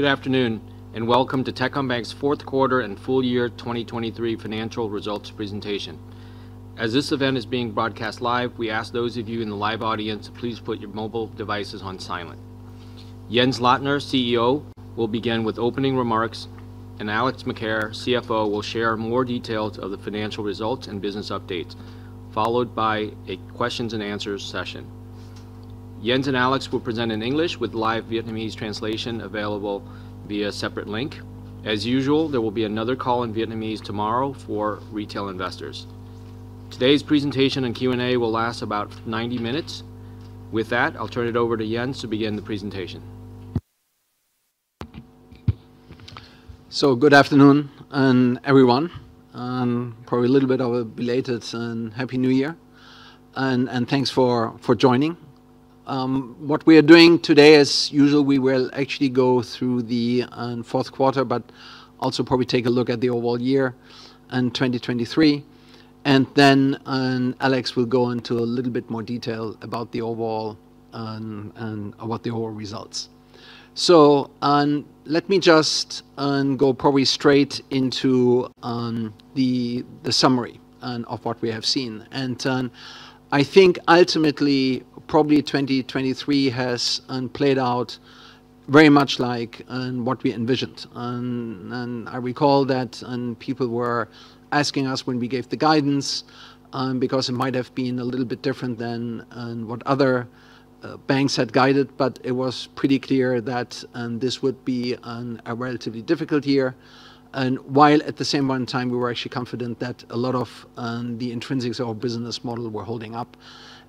Good afternoon, and welcome to Techcombank's fourth quarter and full year 2023 financial results presentation. As this event is being broadcast live, we ask those of you in the live audience to please put your mobile devices on silent. Jens Lottner, CEO, will begin with opening remarks, and Alex Macaire, CFO, will share more details of the financial results and business updates, followed by a questions and answers session. Jens and Alex will present in English with live Vietnamese translation available via separate link. As usual, there will be another call in Vietnamese tomorrow for retail investors. Today's presentation and Q&A will last about 90 minutes. With that, I'll turn it over to Jens to begin the presentation. So good afternoon, everyone. Probably a little bit of a belated Happy New Year, and thanks for joining. What we are doing today, as usual, we will actually go through the fourth quarter, but also probably take a look at the overall year in 2023. And then, Alex will go into a little bit more detail about the overall, and about the overall results. So, let me just go probably straight into the summary of what we have seen. And, I think ultimately, probably 2023 has played out very much like what we envisioned. And I recall that people were asking us when we gave the guidance, because it might have been a little bit different than what other banks had guided. But it was pretty clear that this would be a relatively difficult year. And while at the same one time, we were actually confident that a lot of the intrinsics of our business model were holding up,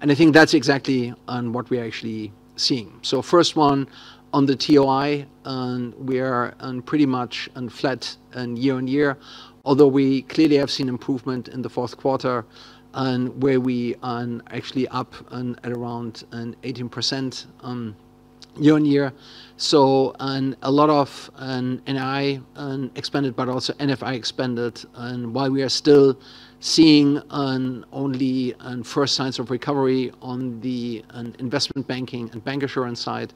and I think that's exactly what we are actually seeing. So first one, on the TOI, we are pretty much flat in year-on-year, although we clearly have seen improvement in the fourth quarter, where we are actually up at around 18% year-on-year. So, a lot of NII expanded, but also NFI expanded. While we are still seeing only first signs of recovery on the investment banking and bancassurance side,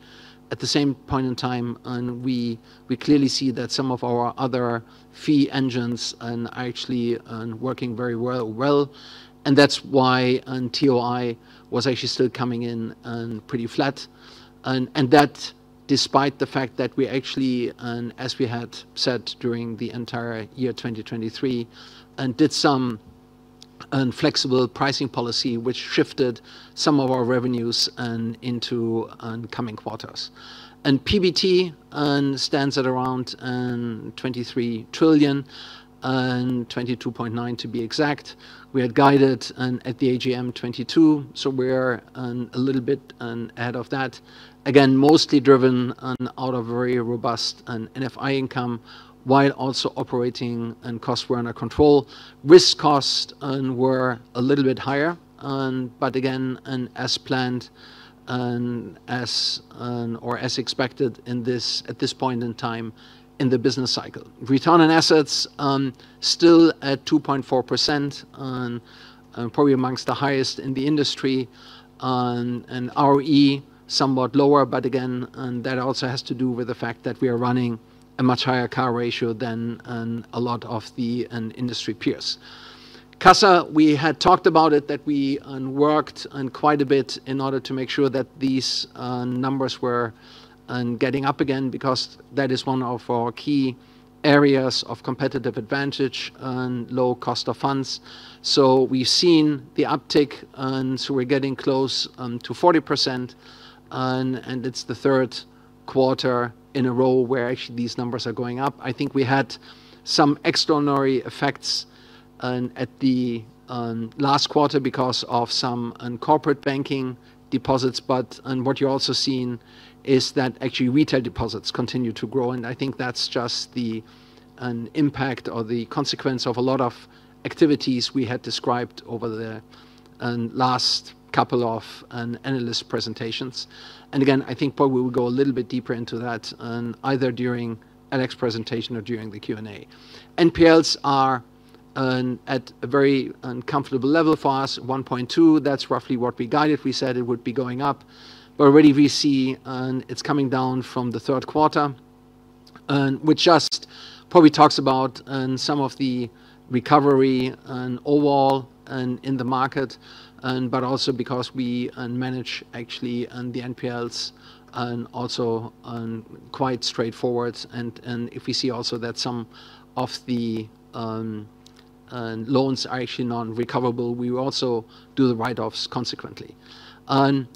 at the same point in time, we clearly see that some of our other fee engines are actually working very well. And that's why TOI was actually still coming in pretty flat. And that despite the fact that we actually, as we had said during the entire year 2023, did some flexible pricing policy, which shifted some of our revenues into coming quarters. And PBT stands at around 23 trillion, 22.9 trillion to be exact. We had guided at the AGM 2022, so we're a little bit ahead of that. Again, mostly driven out of very robust NFI income, while also operating costs were under control. Risk costs were a little bit higher, but again, as planned—or as expected at this point in time in the business cycle. Return on assets still at 2.4%, and probably amongst the highest in the industry. And ROE, somewhat lower, but again, that also has to do with the fact that we are running a much higher CAR ratio than a lot of the industry peers. CASA, we had talked about it, that we worked quite a bit in order to make sure that these numbers were getting up again, because that is one of our key areas of competitive advantage, low cost of funds. So we've seen the uptick, and so we're getting close to 40%, and it's the third quarter in a row where actually these numbers are going up. I think we had some extraordinary effects at the last quarter because of some corporate banking deposits. But what you're also seeing is that actually retail deposits continue to grow, and I think that's just the impact or the consequence of a lot of activities we had described over the last couple of analyst presentations. And again, I think probably we will go a little bit deeper into that either during Alex's presentation or during the Q&A. NPLs are at a very comfortable level for us, 1.2. That's roughly what we guided. We said it would be going up, but already we see, it's coming down from the third quarter. Which just probably talks about some of the recovery overall in the market, but also because we manage actually the NPLs also quite straightforward. And if we see also that some of the loans are actually non-recoverable, we will also do the write-offs consequently.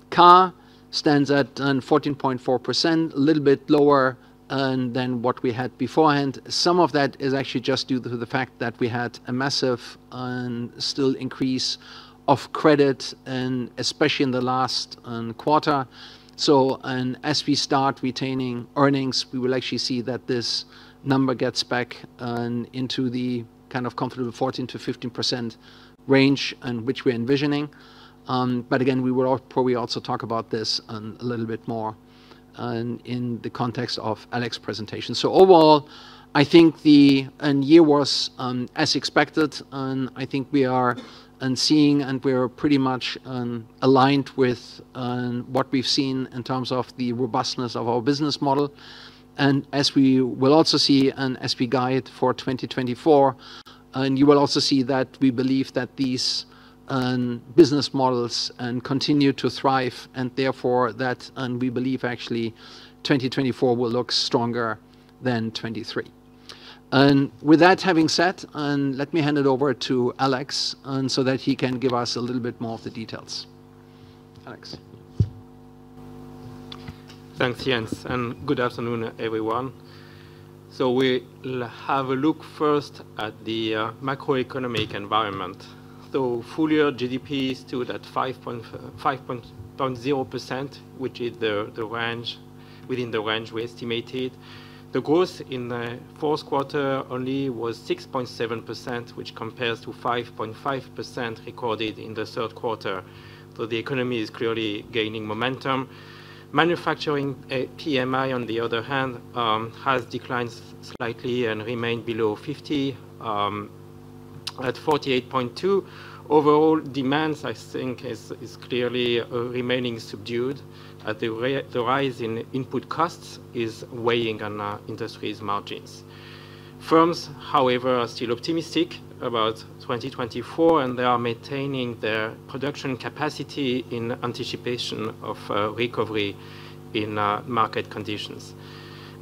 CAR stands at 14.4%, a little bit lower than what we had beforehand. Some of that is actually just due to the fact that we had a massive still increase of credit, and especially in the last quarter. So, as we start retaining earnings, we will actually see that this number gets back into the kind of comfortable 14%-15% range, which we're envisioning. But again, we will probably also talk about this a little bit more in the context of Alex's presentation. So overall, I think the year was as expected, and I think we are seeing and we are pretty much aligned with what we've seen in terms of the robustness of our business model. And as we will also see, and as we guide for 2024, you will also see that we believe that these business models continue to thrive, and therefore, that we believe actually 2024 will look stronger than 2023. With that having said, let me hand it over to Alex, so that he can give us a little bit more of the details.... Alex? Thanks, Jens, and good afternoon, everyone. So we'll have a look first at the macroeconomic environment. So full-year GDP stood at 5.0%, which is within the range we estimated. The growth in the fourth quarter only was 6.7%, which compares to 5.5% recorded in the third quarter. So the economy is clearly gaining momentum. Manufacturing PMI, on the other hand, has declined slightly and remained below 50%, at 48.2%. Overall demands, I think, is clearly remaining subdued, as the rise in input costs is weighing on industries' margins. Firms, however, are still optimistic about 2024, and they are maintaining their production capacity in anticipation of recovery in market conditions.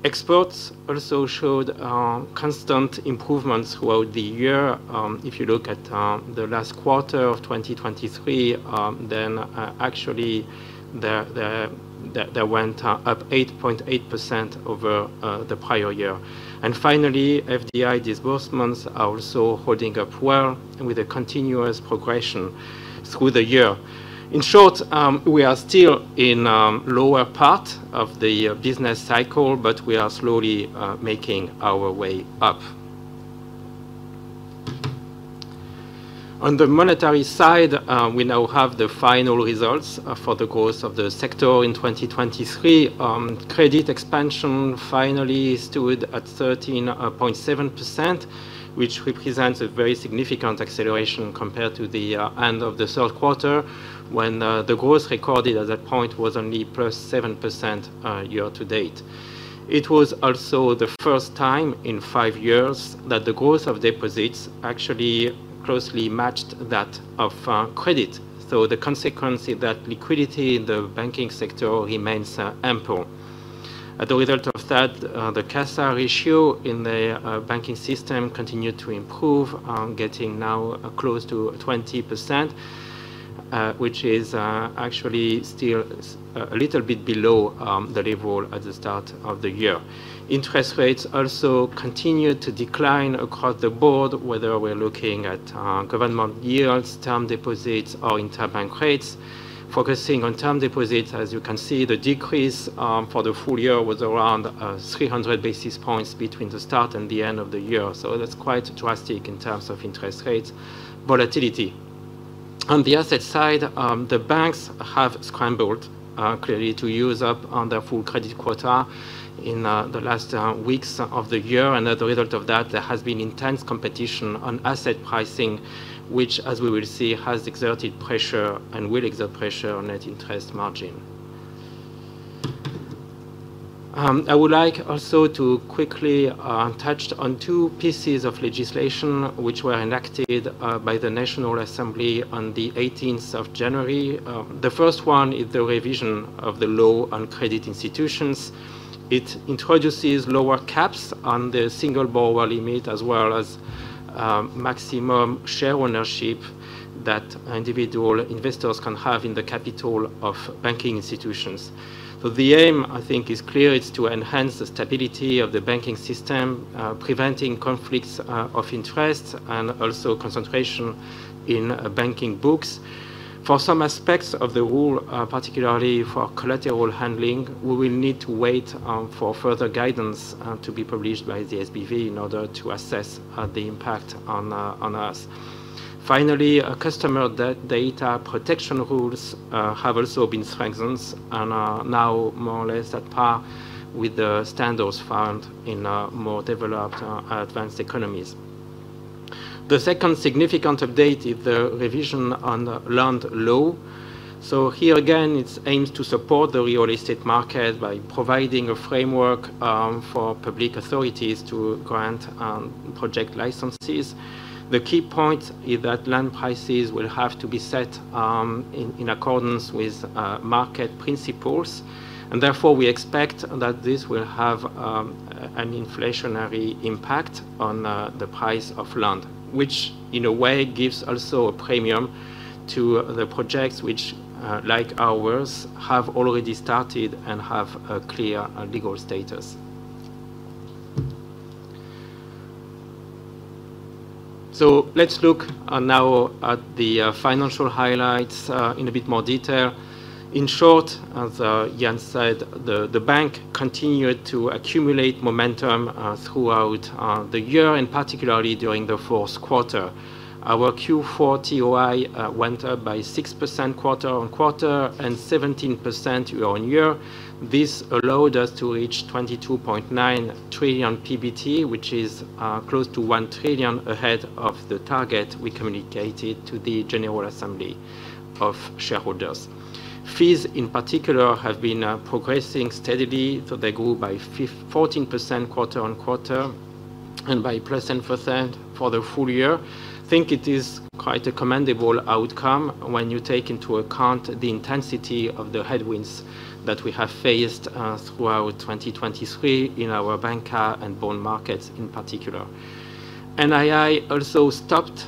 Exports also showed constant improvements throughout the year. If you look at the last quarter of 2023, then actually they went up 8.8% over the prior year. And finally, FDI disbursements are also holding up well and with a continuous progression through the year. In short, we are still in lower part of the business cycle, but we are slowly making our way up. On the monetary side, we now have the final results for the course of the sector in 2023. Credit expansion finally stood at 13.7%, which represents a very significant acceleration compared to the end of the third quarter, when the growth recorded at that point was only +7% year to date. It was also the first time in five years that the growth of deposits actually closely matched that of credit, so the consequence is that liquidity in the Banking sector remains ample. As a result of that, the cash ratio in the banking system continued to improve, getting now close to 20%, which is actually still a little bit below the level at the start of the year. Interest rates also continued to decline across the board, whether we're looking at government yields, term deposits, or interbank rates. Focusing on term deposits, as you can see, the decrease for the full year was around 300 basis points between the start and the end of the year, so that's quite drastic in terms of interest rates volatility. On the asset side, the banks have scrambled clearly to use up on their full credit quota in the last weeks of the year, and as a result of that, there has been intense competition on asset pricing, which, as we will see, has exerted pressure and will exert pressure on net interest margin. I would like also to quickly touch on two pieces of legislation which were enacted by the National Assembly on the eighteenth of January. The first one is the revision of the Law on Credit Institutions. It introduces lower caps on the single borrower limit, as well as maximum share ownership that individual investors can have in the capital of banking institutions. So the aim, I think, is clear. It's to enhance the stability of the banking system, preventing conflicts of interest and also concentration in banking books. For some aspects of the rule, particularly for collateral handling, we will need to wait for further guidance to be published by the SBV in order to assess the impact on us. Finally, customer data protection rules have also been strengthened and are now more or less at par with the standards found in more developed advanced economies. The second significant update is the revision on the Land Law. So here, again, it's aims to support the real estate market by providing a framework for public authorities to grant project licenses. The key point is that land prices will have to be set in accordance with market principles, and therefore, we expect that this will have an inflationary impact on the price of land, which, in a way, gives also a premium to the projects which like ours have already started and have a clear legal status. So let's look now at the financial highlights in a bit more detail. In short, as Jens said, the bank continued to accumulate momentum throughout the year, and particularly during the fourth quarter. Our Q4 TOI went up by 6% quarter-on-quarter and 17% year-on-year. This allowed us to reach 22.9 trillion PBT, which is close to 1 trillion ahead of the target we communicated to the general assembly of shareholders. Fees, in particular, have been progressing steadily, so they grew by 14% quarter-on-quarter and by +8% for the full year. I think it is quite a commendable outcome when you take into account the intensity of the headwinds that we have faced throughout 2023 in our banking and bond markets in particular. NII also stopped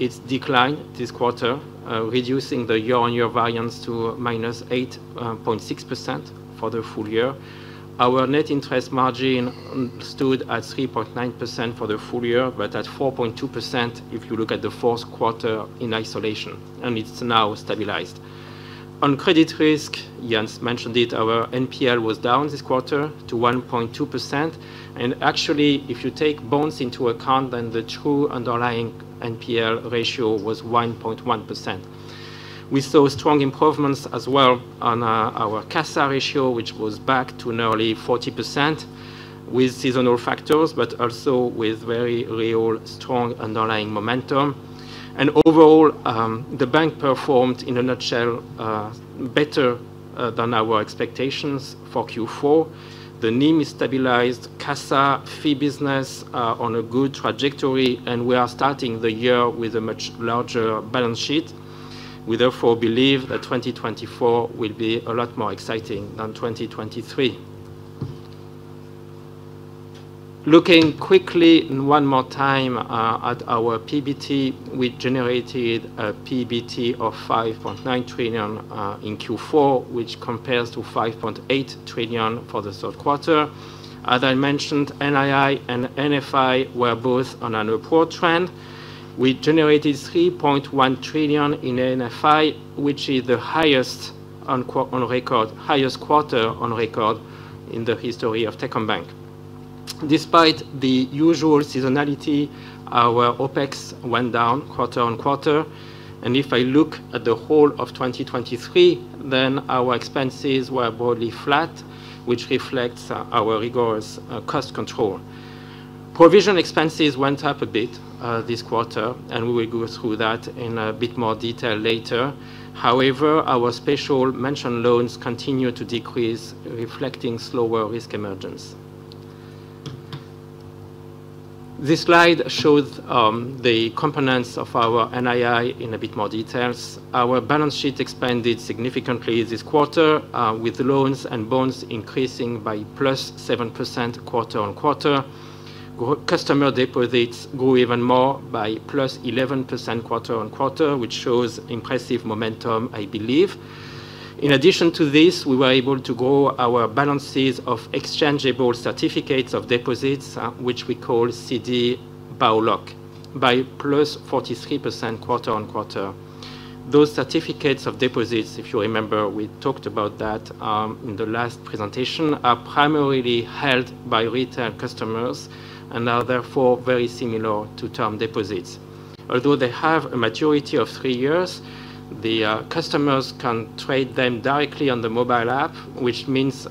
its decline this quarter, reducing the year-on-year variance to -8.6% for the full year. Our net interest margin stood at 3.9% for the full year, but at 4.2% if you look at the fourth quarter in isolation, and it's now stabilized. On credit risk, Jens mentioned it, our NPL was down this quarter to 1.2%, and actually, if you take bonds into account, then the true underlying NPL ratio was 1.1%. We saw strong improvements as well on our CASA ratio, which was back to nearly 40% with seasonal factors, but also with very real strong underlying momentum. Overall, the bank performed, in a nutshell, better than our expectations for Q4. The NIM is stabilized, CASA fee business on a good trajectory, and we are starting the year with a much larger balance sheet. We therefore believe that 2024 will be a lot more exciting than 2023. Looking quickly one more time at our PBT, we generated a PBT of 5.9 trillion in Q4, which compares to 5.8 trillion for the third quarter. As I mentioned, NII and NFI were both on an upward trend. We generated 3.1 trillion in NFI, which is the highest quarter on record in the history of Techcombank. Despite the usual seasonality, our OpEx went down quarter-on-quarter, and if I look at the whole of 2023, then our expenses were broadly flat, which reflects our rigorous cost control. Provision expenses went up a bit this quarter, and we will go through that in a bit more detail later. However, our special mention loans continued to decrease, reflecting slower risk emergence. This slide shows the components of our NII in a bit more details. Our balance sheet expanded significantly this quarter, with loans and bonds increasing by +7% quarter-on-quarter. Customer deposits grew even more by +11% quarter-on-quarter, which shows impressive momentum, I believe. In addition to this, we were able to grow our balances of exchangeable certificates of deposits, which we call CD Bao Loc, by +43% quarter-on-quarter. Those certificates of deposits, if you remember, we talked about that, in the last presentation, are primarily held by retail customers and are therefore very similar to term deposits. Although they have a maturity of three years, the customers can trade them directly on the mobile app, which means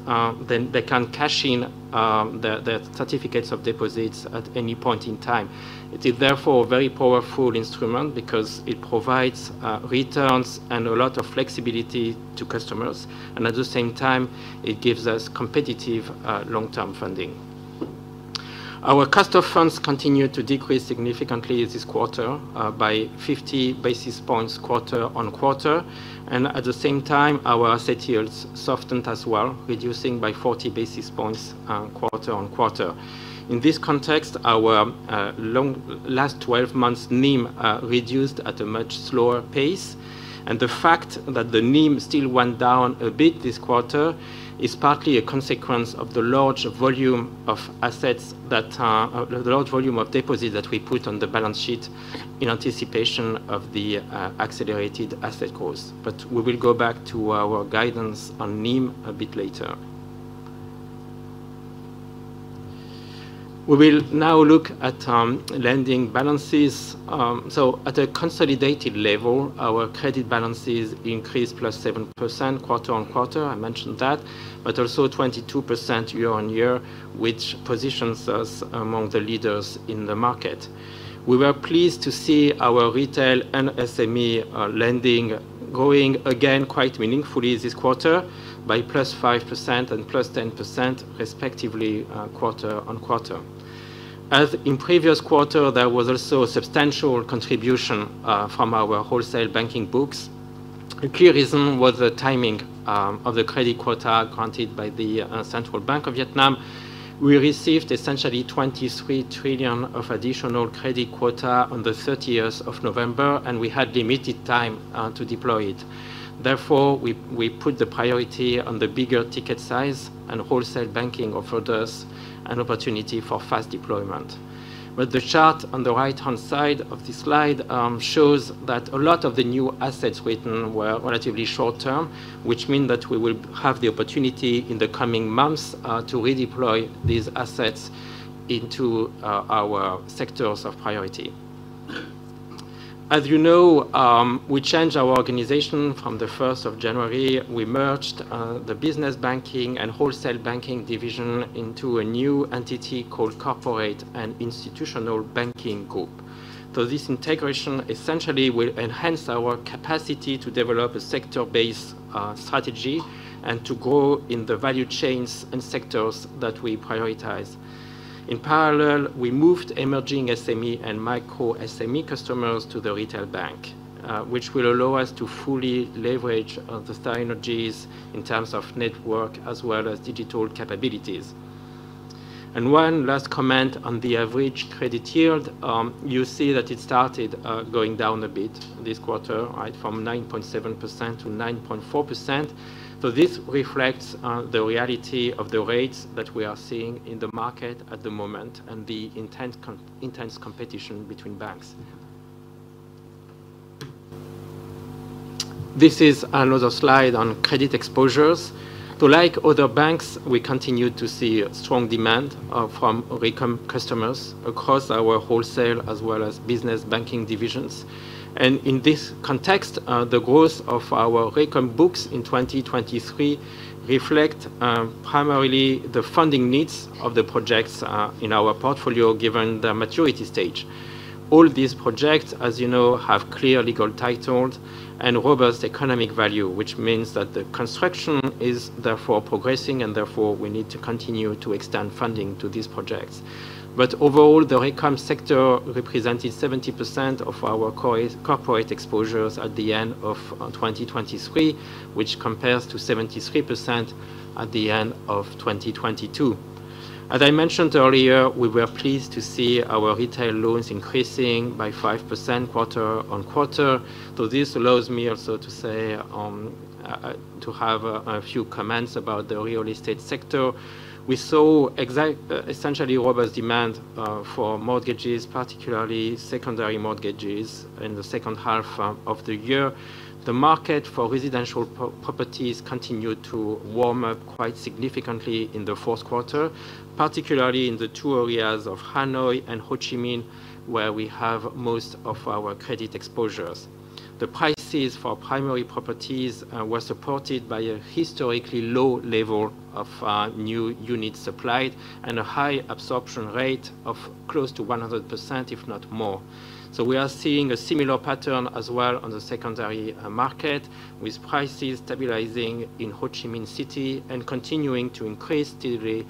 then they can cash in the certificates of deposits at any point in time. It is therefore a very powerful instrument because it provides returns and a lot of flexibility to customers, and at the same time, it gives us competitive long-term funding. Our customer funds continued to decrease significantly this quarter by 50 basis points quarter-on-quarter, and at the same time, our asset yields softened as well, reducing by 40 basis points quarter-on-quarter. In this context, our last 12 months NIM reduced at a much slower pace, and the fact that the NIM still went down a bit this quarter is partly a consequence of the large volume of assets that... the large volume of deposits that we put on the balance sheet in anticipation of the accelerated asset course. But we will go back to our guidance on NIM a bit later. We will now look at lending balances. So at a consolidated level, our credit balances increased +7% quarter-on-quarter. I mentioned that, but also 22% year-on-year, which positions us among the leaders in the market. We were pleased to see our retail and SME lending growing again quite meaningfully this quarter by +5% and +10% respectively quarter-on-quarter. As in previous quarter, there was also a substantial contribution from our Wholesale Banking books. A clear reason was the timing of the credit quota granted by the Central Bank of Vietnam. We received essentially 23 trillion of additional credit quota on the 30th of November, and we had limited time to deploy it. Therefore, we put the priority on the bigger ticket size, and Wholesale Banking offered us an opportunity for fast deployment. But the chart on the right-hand side of this slide shows that a lot of the new assets written were relatively short term, which mean that we will have the opportunity in the coming months to redeploy these assets into our sectors of priority. As you know, we changed our organization from the 1st of January. We merged the Business Banking and Wholesale Banking division into a new entity called Corporate and Institutional Banking Group. So this integration essentially will enhance our capacity to develop a sector-based strategy and to grow in the value chains and sectors that we prioritize. In parallel, we moved emerging SME and micro SME customers to the Retail Bank, which will allow us to fully leverage the synergies in terms of network as well as digital capabilities. And one last comment on the average credit yield, you see that it started going down a bit this quarter, right? From 9.7% to 9.4%. So this reflects the reality of the rates that we are seeing in the market at the moment, and the intense competition between banks. This is another slide on credit exposures. So like other banks, we continue to see strong demand from Recom customers across our wholesale as well as Business Banking divisions. In this context, the growth of our RECOM books in 2023 reflect, primarily the funding needs of the projects, in our portfolio, given their maturity stage. All these projects, as you know, have clear legal titles and robust economic value, which means that the construction is therefore progressing, and therefore, we need to continue to extend funding to these projects. But overall, the RECOM sector represented 70% of our corporate exposures at the end of 2023, which compares to 73% at the end of 2022. As I mentioned earlier, we were pleased to see our retail loans increasing by 5% quarter-on-quarter. So this allows me also to say, to have a few comments about the real estate sector. We saw essentially robust demand for mortgages, particularly secondary mortgages, in the second half of the year. The market for residential properties continued to warm up quite significantly in the fourth quarter, particularly in the two areas of Hanoi and Ho Chi Minh, where we have most of our credit exposures. The prices for primary properties were supported by a historically low level of new units supplied and a high absorption rate of close to 100%, if not more. So we are seeing a similar pattern as well on the secondary market, with prices stabilizing in Ho Chi Minh City and continuing to increase steadily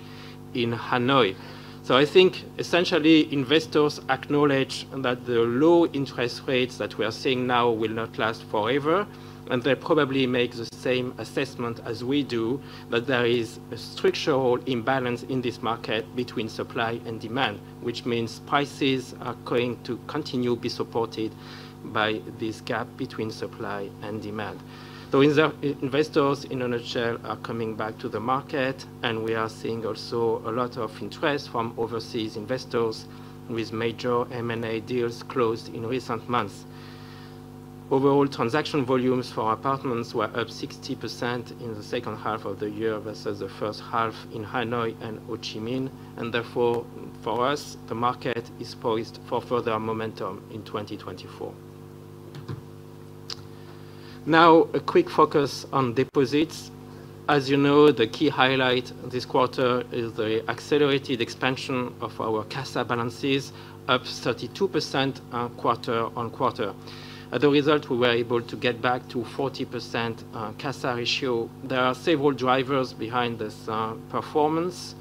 in Hanoi. So I think essentially, investors acknowledge that the low interest rates that we are seeing now will not last forever, and they probably make the same assessment as we do, that there is a structural imbalance in this market between supply and demand, which means prices are going to continue be supported by this gap between supply and demand. So in the, investors, in a nutshell, are coming back to the market, and we are seeing also a lot of interest from overseas investors, with major M&A deals closed in recent months. Overall, transaction volumes for apartments were up 60% in the second half of the year versus the first half in Hanoi and Ho Chi Minh, and therefore, for us, the market is poised for further momentum in 2024. Now, a quick focus on deposits. As you know, the key highlight this quarter is the accelerated expansion of our CASA balances, up 32%, quarter-on-quarter. As a result, we were able to get back to 40%, CASA ratio. There are several drivers behind this performance.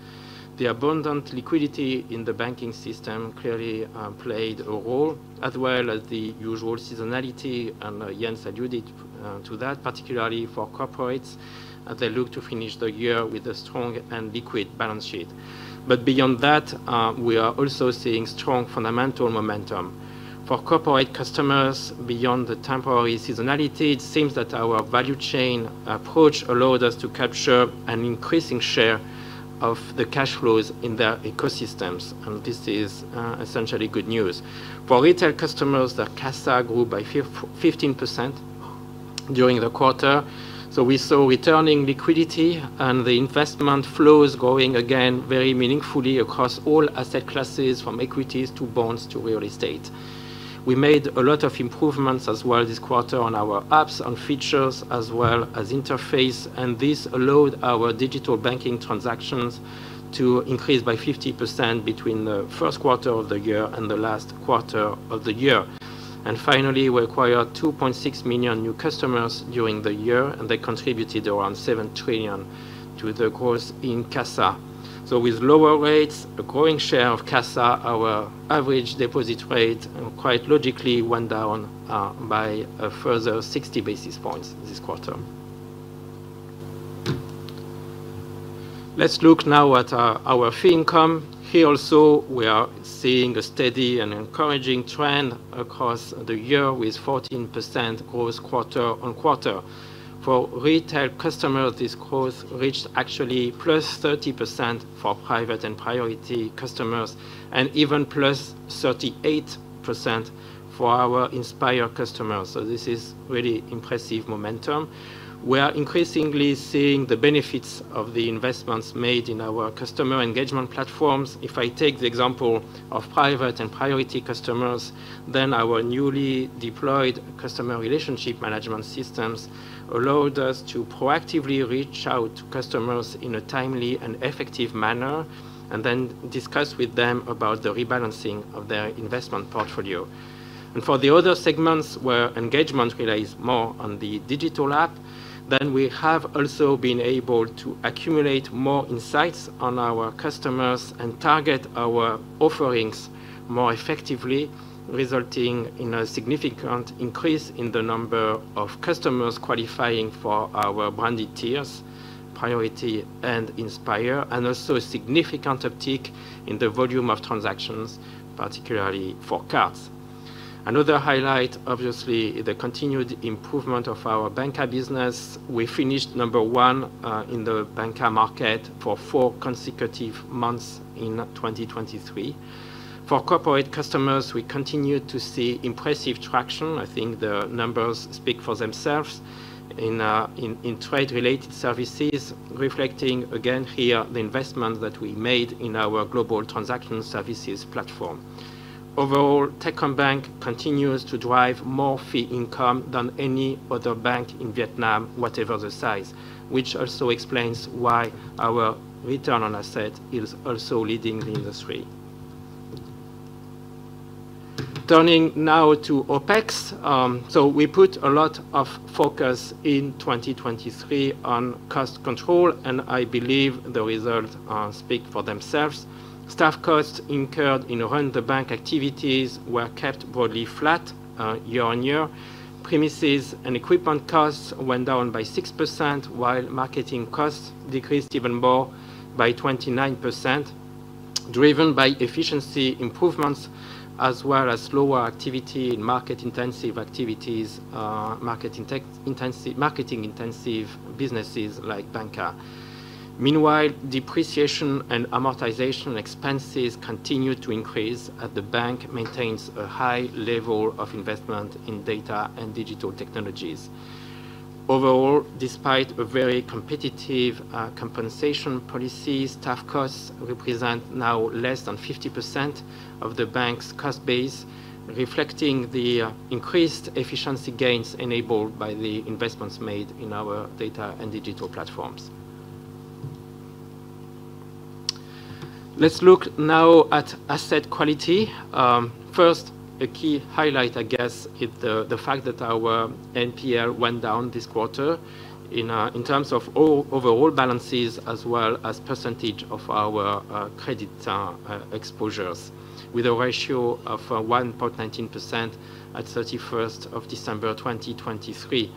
The abundant liquidity in the banking system clearly played a role, as well as the usual seasonality, and Jens alluded to that, particularly for corporates, as they look to finish the year with a strong and liquid balance sheet. But beyond that, we are also seeing strong fundamental momentum. For corporate customers, beyond the temporary seasonality, it seems that our value chain approach allowed us to capture an increasing share of the cash flows in their ecosystems, and this is essentially good news. For retail customers, the CASA grew by 15% during the quarter, so we saw returning liquidity and the investment flows growing again very meaningfully across all asset classes, from equities to bonds to real estate. We made a lot of improvements as well this quarter on our apps and features, as well as interface, and this allowed our digital banking transactions to increase by 50% between the first quarter of the year and the last quarter of the year. Finally, we acquired 2.6 million new customers during the year, and they contributed around 7 trillion to the growth in CASA. So with lower rates, a growing share of CASA, our average deposit rate quite logically went down by a further 60 basis points this quarter. Let's look now at our fee income. Here also, we are seeing a steady and encouraging trend across the year, with 14% growth quarter-on-quarter. For retail customers, this growth reached actually +30% for Private and Priority customers, and even +38% for our Inspire customers. So this is really impressive momentum. We are increasingly seeing the benefits of the investments made in our customer engagement platforms. If I take the example of Private and Priority customers, then our newly deployed customer relationship management systems allowed us to proactively reach out to customers in a timely and effective manner, and then discuss with them about the rebalancing of their investment portfolio. For the other segments, where engagement relies more on the digital app, then we have also been able to accumulate more insights on our customers and target our offerings more effectively, resulting in a significant increase in the number of customers qualifying for our branded tiers, Priority and Inspire, and also a significant uptick in the volume of transactions, particularly for cards. Another highlight, obviously, the continued improvement of our bancassurance business. We finished number one in the bancassurance market for four consecutive months in 2023. For corporate customers, we continued to see impressive traction. I think the numbers speak for themselves in trade-related services, reflecting again here, the investment that we made in our Global Transaction Services platform. Overall, Techcombank continues to drive more fee income than any other bank in Vietnam, whatever the size, which also explains why our return on asset is also leading the industry. Turning now to OpEx. So we put a lot of focus in 2023 on cost control, and I believe the results speak for themselves. Staff costs incurred in run the bank activities were kept broadly flat year-on-year. Premises and equipment costs went down by 6%, while marketing costs decreased even more by 29%, driven by efficiency improvements as well as lower activity in market-intensive activities, marketing-intensive businesses like Banca. Meanwhile, depreciation and amortization expenses continued to increase as the bank maintains a high level of investment in data and digital technologies. Overall, despite a very competitive compensation policy, staff costs represent now less than 50% of the bank's cost base, reflecting the increased efficiency gains enabled by the investments made in our data and digital platforms. Let's look now at asset quality. First, a key highlight, I guess, is the fact that our NPL went down this quarter in terms of overall balances as well as percentage of our credit exposures, with a ratio of 1.19% at 31st of December 2023.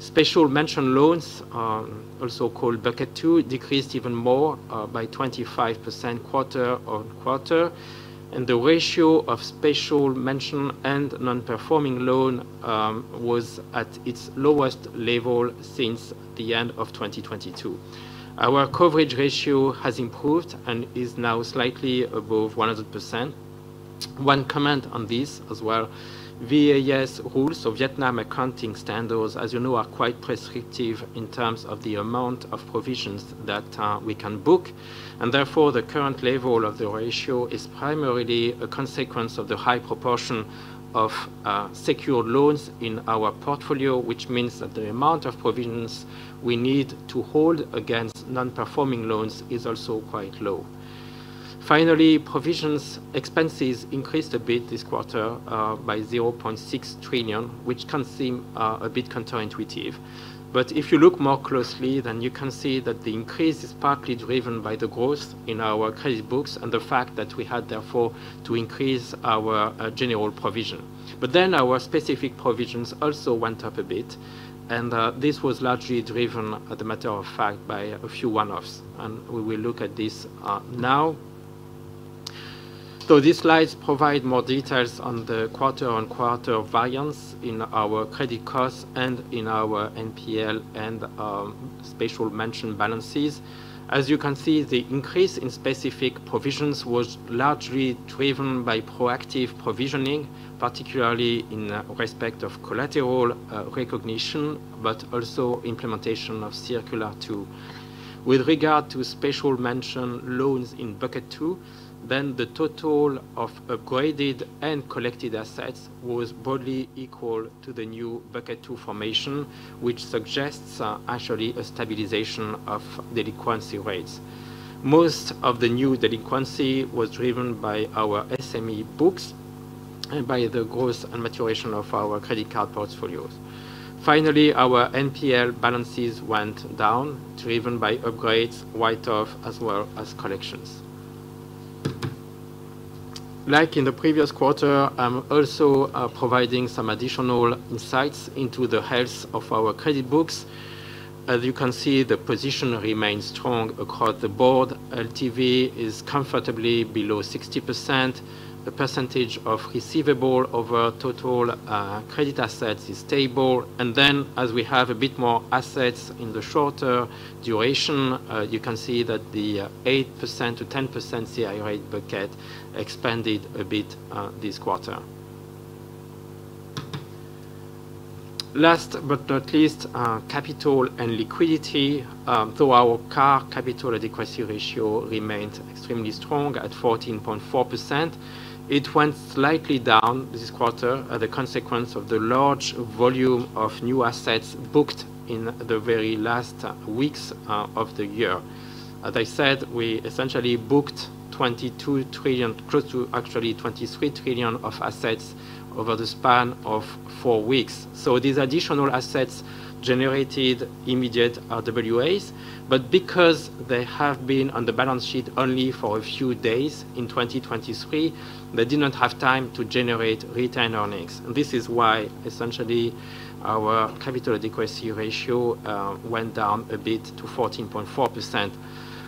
Special mention loans, also called Bucket 2, decreased even more by 25% quarter-on-quarter, and the ratio of special mention and non-performing loan was at its lowest level since the end of 2022. Our coverage ratio has improved and is now slightly above 100%. One comment on this as well, VAS rules, so Vietnam Accounting Standards, as you know, are quite prescriptive in terms of the amount of provisions that we can book, and therefore, the current level of the ratio is primarily a consequence of the high proportion of secured loans in our portfolio, which means that the amount of provisions we need to hold against non-performing loans is also quite low. Finally, provisions expenses increased a bit this quarter by 0.6 trillion, which can seem a bit counterintuitive. But if you look more closely, then you can see that the increase is partly driven by the growth in our credit books and the fact that we had therefore to increase our general provision. But then, our specific provisions also went up a bit, and this was largely driven, as a matter of fact, by a few one-offs, and we will look at this now. So these slides provide more details on the quarter-on-quarter variance in our credit costs and in our NPL and special mention balances. As you can see, the increase in specific provisions was largely driven by proactive provisioning, particularly in the respect of collateral recognition, but also implementation of Circular 02. With regard to special mention loans in Bucket 2, then the total of upgraded and collected assets was broadly equal to the new Bucket 2 formation, which suggests actually a stabilization of delinquency rates. Most of the new delinquency was driven by our SME books and by the growth and maturation of our credit card portfolios. Finally, our NPL balances went down, driven by upgrades, write-off, as well as collections. Like in the previous quarter, I'm also providing some additional insights into the health of our credit books. As you can see, the position remains strong across the board. LTV is comfortably below 60%. The percentage of receivable over total credit assets is stable, and then, as we have a bit more assets in the shorter duration, you can see that the 8%-10% CII Bucket expanded a bit this quarter. Last but not least, capital and liquidity. So our CAR, Capital Adequacy Ratio remains extremely strong at 14.4%. It went slightly down this quarter, the consequence of the large volume of new assets booked in the very last weeks of the year. As I said, we essentially booked 22 trillion, close to actually 23 trillion of assets over the span of four weeks. So these additional assets generated immediate, RWAs, but because they have been on the balance sheet only for a few days in 2023, they did not have time to generate return earnings. This is why, essentially, our Capital Adequacy Ratio, went down a bit to 14.4%.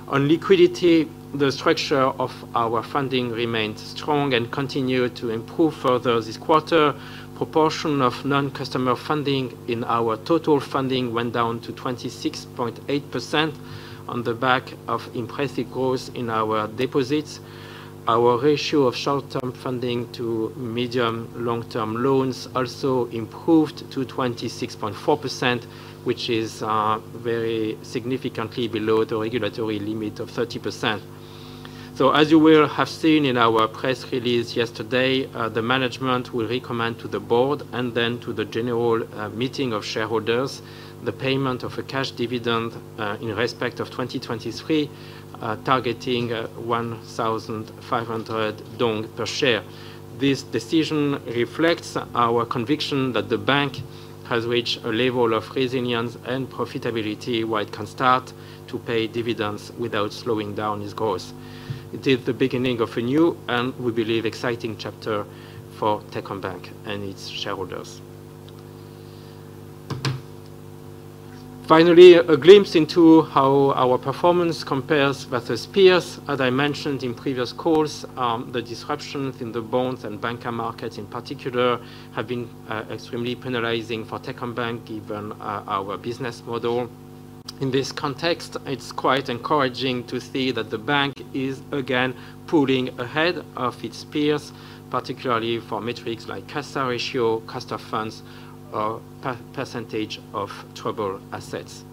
On liquidity, the structure of our funding remains strong and continued to improve further this quarter. Proportion of non-customer funding in our total funding went down to 26.8% on the back of impressive growth in our deposits. Our ratio of short-term funding to medium long-term loans also improved to 26.4%, which is, very significantly below the regulatory limit of 30%. So as you will have seen in our press release yesterday, the management will recommend to the board, and then to the General Meeting of Shareholders, the payment of a cash dividend in respect of 2023, targeting 1,500 dong per share. This decision reflects our conviction that the bank has reached a level of resilience and profitability where it can start to pay dividends without slowing down its growth. It is the beginning of a new, and we believe, exciting chapter for Techcombank and its shareholders. Finally, a glimpse into how our performance compares with its peers. As I mentioned in previous calls, the disruptions in the bonds and banking market in particular have been extremely penalizing for Techcombank, given our business model. In this context, it's quite encouraging to see that the bank is again pulling ahead of its peers, particularly for metrics like CASA ratio, cost of funds, or percentage of trouble assets.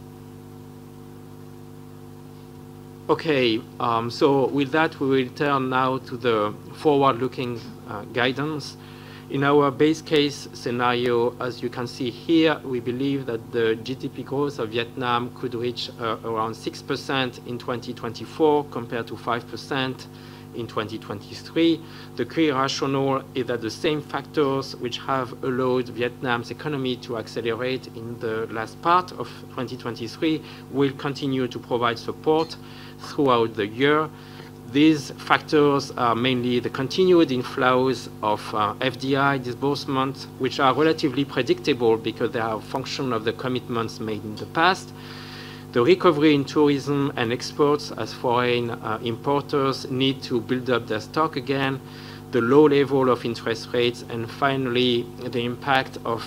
Okay, so with that, we will turn now to the forward-looking guidance. In our base case scenario, as you can see here, we believe that the GDP growth of Vietnam could reach around 6% in 2024, compared to 5% in 2023. The clear rationale is that the same factors which have allowed Vietnam's economy to accelerate in the last part of 2023 will continue to provide support throughout the year. These factors are mainly the continued inflows of FDI disbursements, which are relatively predictable because they are a function of the commitments made in the past, the recovery in tourism and exports, as foreign importers need to build up their stock again, the low level of interest rates, and finally, the impact of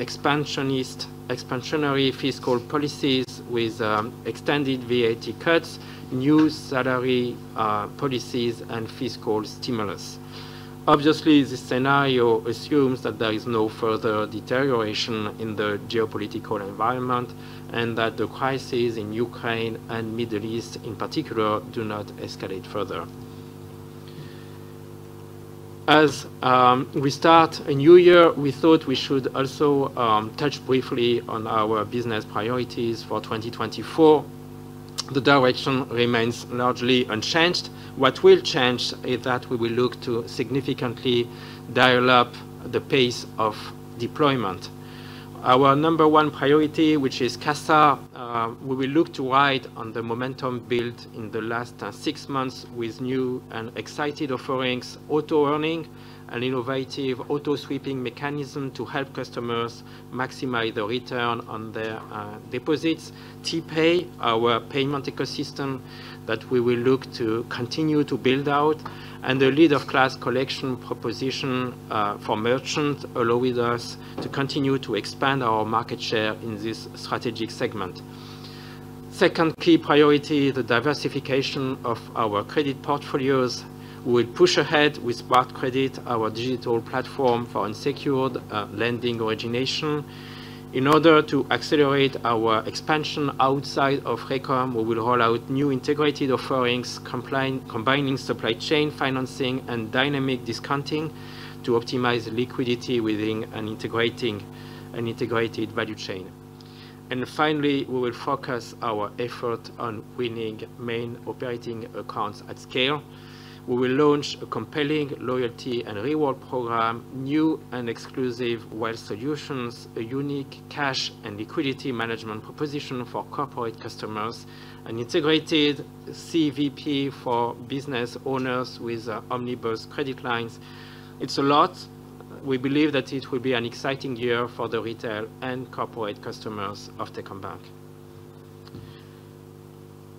expansionary fiscal policies with extended VAT cuts, new salary policies, and fiscal stimulus. Obviously, this scenario assumes that there is no further deterioration in the geopolitical environment, and that the crisis in Ukraine and Middle East, in particular, do not escalate further. As we start a new year, we thought we should also touch briefly on our business priorities for 2024. The direction remains largely unchanged. What will change is that we will look to significantly dial up the pace of deployment. Our number priority, which is CASA, we will look to ride on the momentum built in the last six months with new and exciting offerings, Auto-Earning, an innovative auto-sweeping mechanism to help customers maximize the return on their deposits. T-Pay, our payment ecosystem, that we will look to continue to build out, and a lead-of-class collection proposition for merchants, allowing us to continue to expand our market share in this strategic segment. Second key priority, the diversification of our credit portfolios. We will push ahead with Spark Credit, our digital platform for unsecured lending origination. In order to accelerate our expansion outside of RECOM, we will roll out new integrated offerings, combining supply chain financing and dynamic discounting to optimize liquidity within an integrated value chain. And finally, we will focus our effort on winning main operating accounts at scale. We will launch a compelling loyalty and reward program, new and exclusive wealth solutions, a unique cash and liquidity management proposition for corporate customers, an integrated CVP for business owners with omnibus credit lines. It's a lot. We believe that it will be an exciting year for the retail and corporate customers of Techcombank.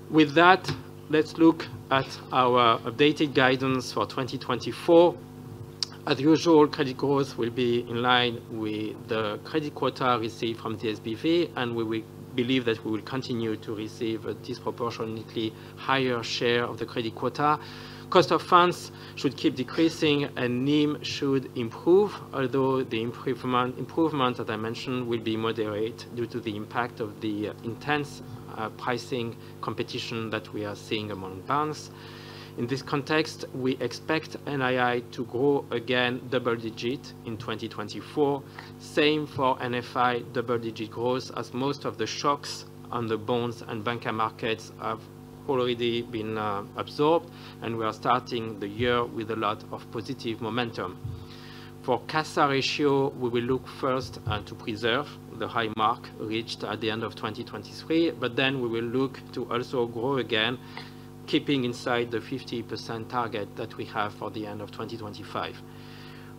With that, let's look at our updated guidance for 2024. As usual, credit growth will be in line with the credit quota received from SBV, and we will believe that we will continue to receive a disproportionately higher share of the credit quota. Cost of funds should keep decreasing, and NIM should improve, although the improvement that I mentioned will be moderate due to the impact of the intense pricing competition that we are seeing among banks. In this context, we expect NII to grow again double-digit in 2024. Same for NFI, double-digit growth, as most of the shocks on the bond and banking markets have already been absorbed, and we are starting the year with a lot of positive momentum. For CASA ratio, we will look first to preserve the high mark reached at the end of 2023, but then we will look to also grow again, keeping inside the 50% target that we have for the end of 2025.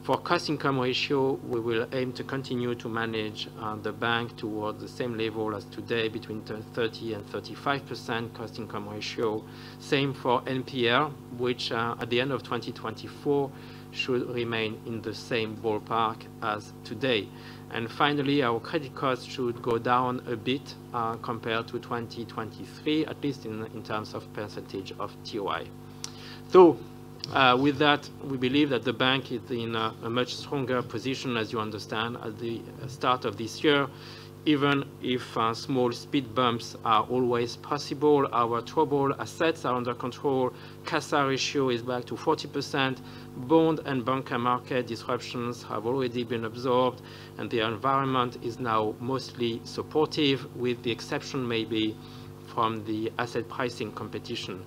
For cost-to-income ratio, we will aim to continue to manage the bank towards the same level as today, between 30% and 35% cost-to-income ratio. Same for NPL, which at the end of 2024, should remain in the same ballpark as today. And finally, our credit cost should go down a bit compared to 2023, at least in terms of percentage of TOI. So-... With that, we believe that the bank is in a much stronger position, as you understand, at the start of this year. Even if small speed bumps are always possible, our troubled assets are under control. CASA ratio is back to 40%. Bond and banking market disruptions have already been absorbed, and the environment is now mostly supportive, with the exception maybe from the asset pricing competition.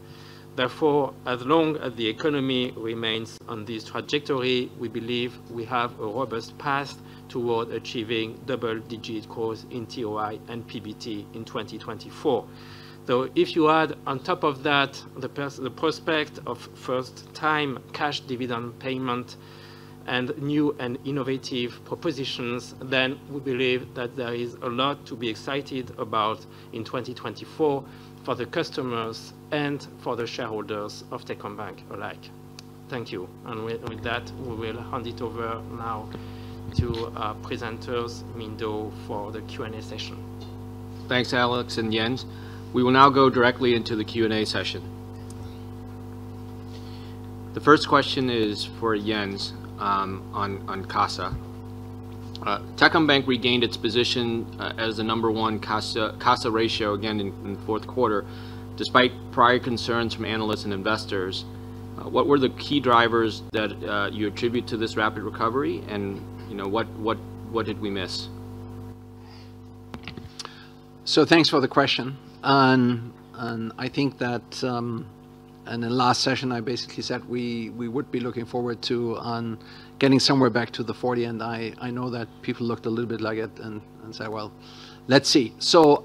Therefore, as long as the economy remains on this trajectory, we believe we have a robust path toward achieving double-digit growth in TOI and PBT in 2024. So if you add on top of that, the prospect of first-time cash dividend payment and new and innovative propositions, then we believe that there is a lot to be excited about in 2024, for the customers and for the shareholders of Techcombank alike. Thank you, and with that, we will hand it over now to presenters, Minh Do, for the Q&A session. Thanks, Alex and Jens. We will now go directly into the Q&A session. The first question is for Jens on CASA. Techcombank regained its position as the number one CASA ratio again in the fourth quarter, despite prior concerns from analysts and investors. What were the key drivers that you attribute to this rapid recovery? And, you know, what did we miss? So thanks for the question. And I think that... And in last session, I basically said we would be looking forward to getting somewhere back to the 40. And I know that people looked a little bit like it and said, "Well, let's see." So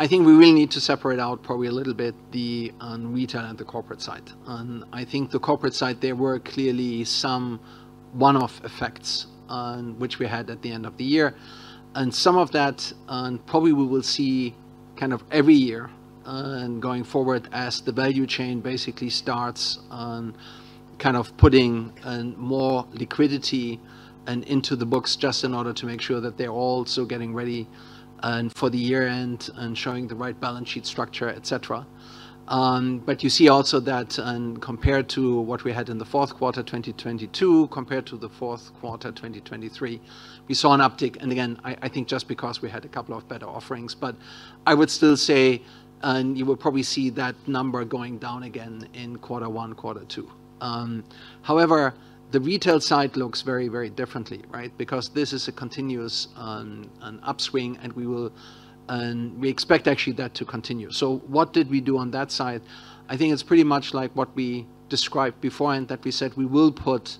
I think we really need to separate out probably a little bit the retail and the corporate side. And I think the corporate side, there were clearly some one-off effects which we had at the end of the year. And some of that probably we will see kind of every year going forward, as the value chain basically starts kind of putting more liquidity into the books, just in order to make sure that they're also getting ready for the year-end and showing the right balance sheet structure, et cetera. But you see also that, compared to what we had in the fourth quarter 2022, compared to the fourth quarter 2023, we saw an uptick. And again, I think just because we had a couple of better offerings. But I would still say, and you will probably see that number going down again in quarter one, quarter two. However, the retail side looks very, very differently, right? Because this is a continuous, an upswing, and we will, and we expect actually that to continue. So what did we do on that side? I think it's pretty much like what we described before, and that we said we will put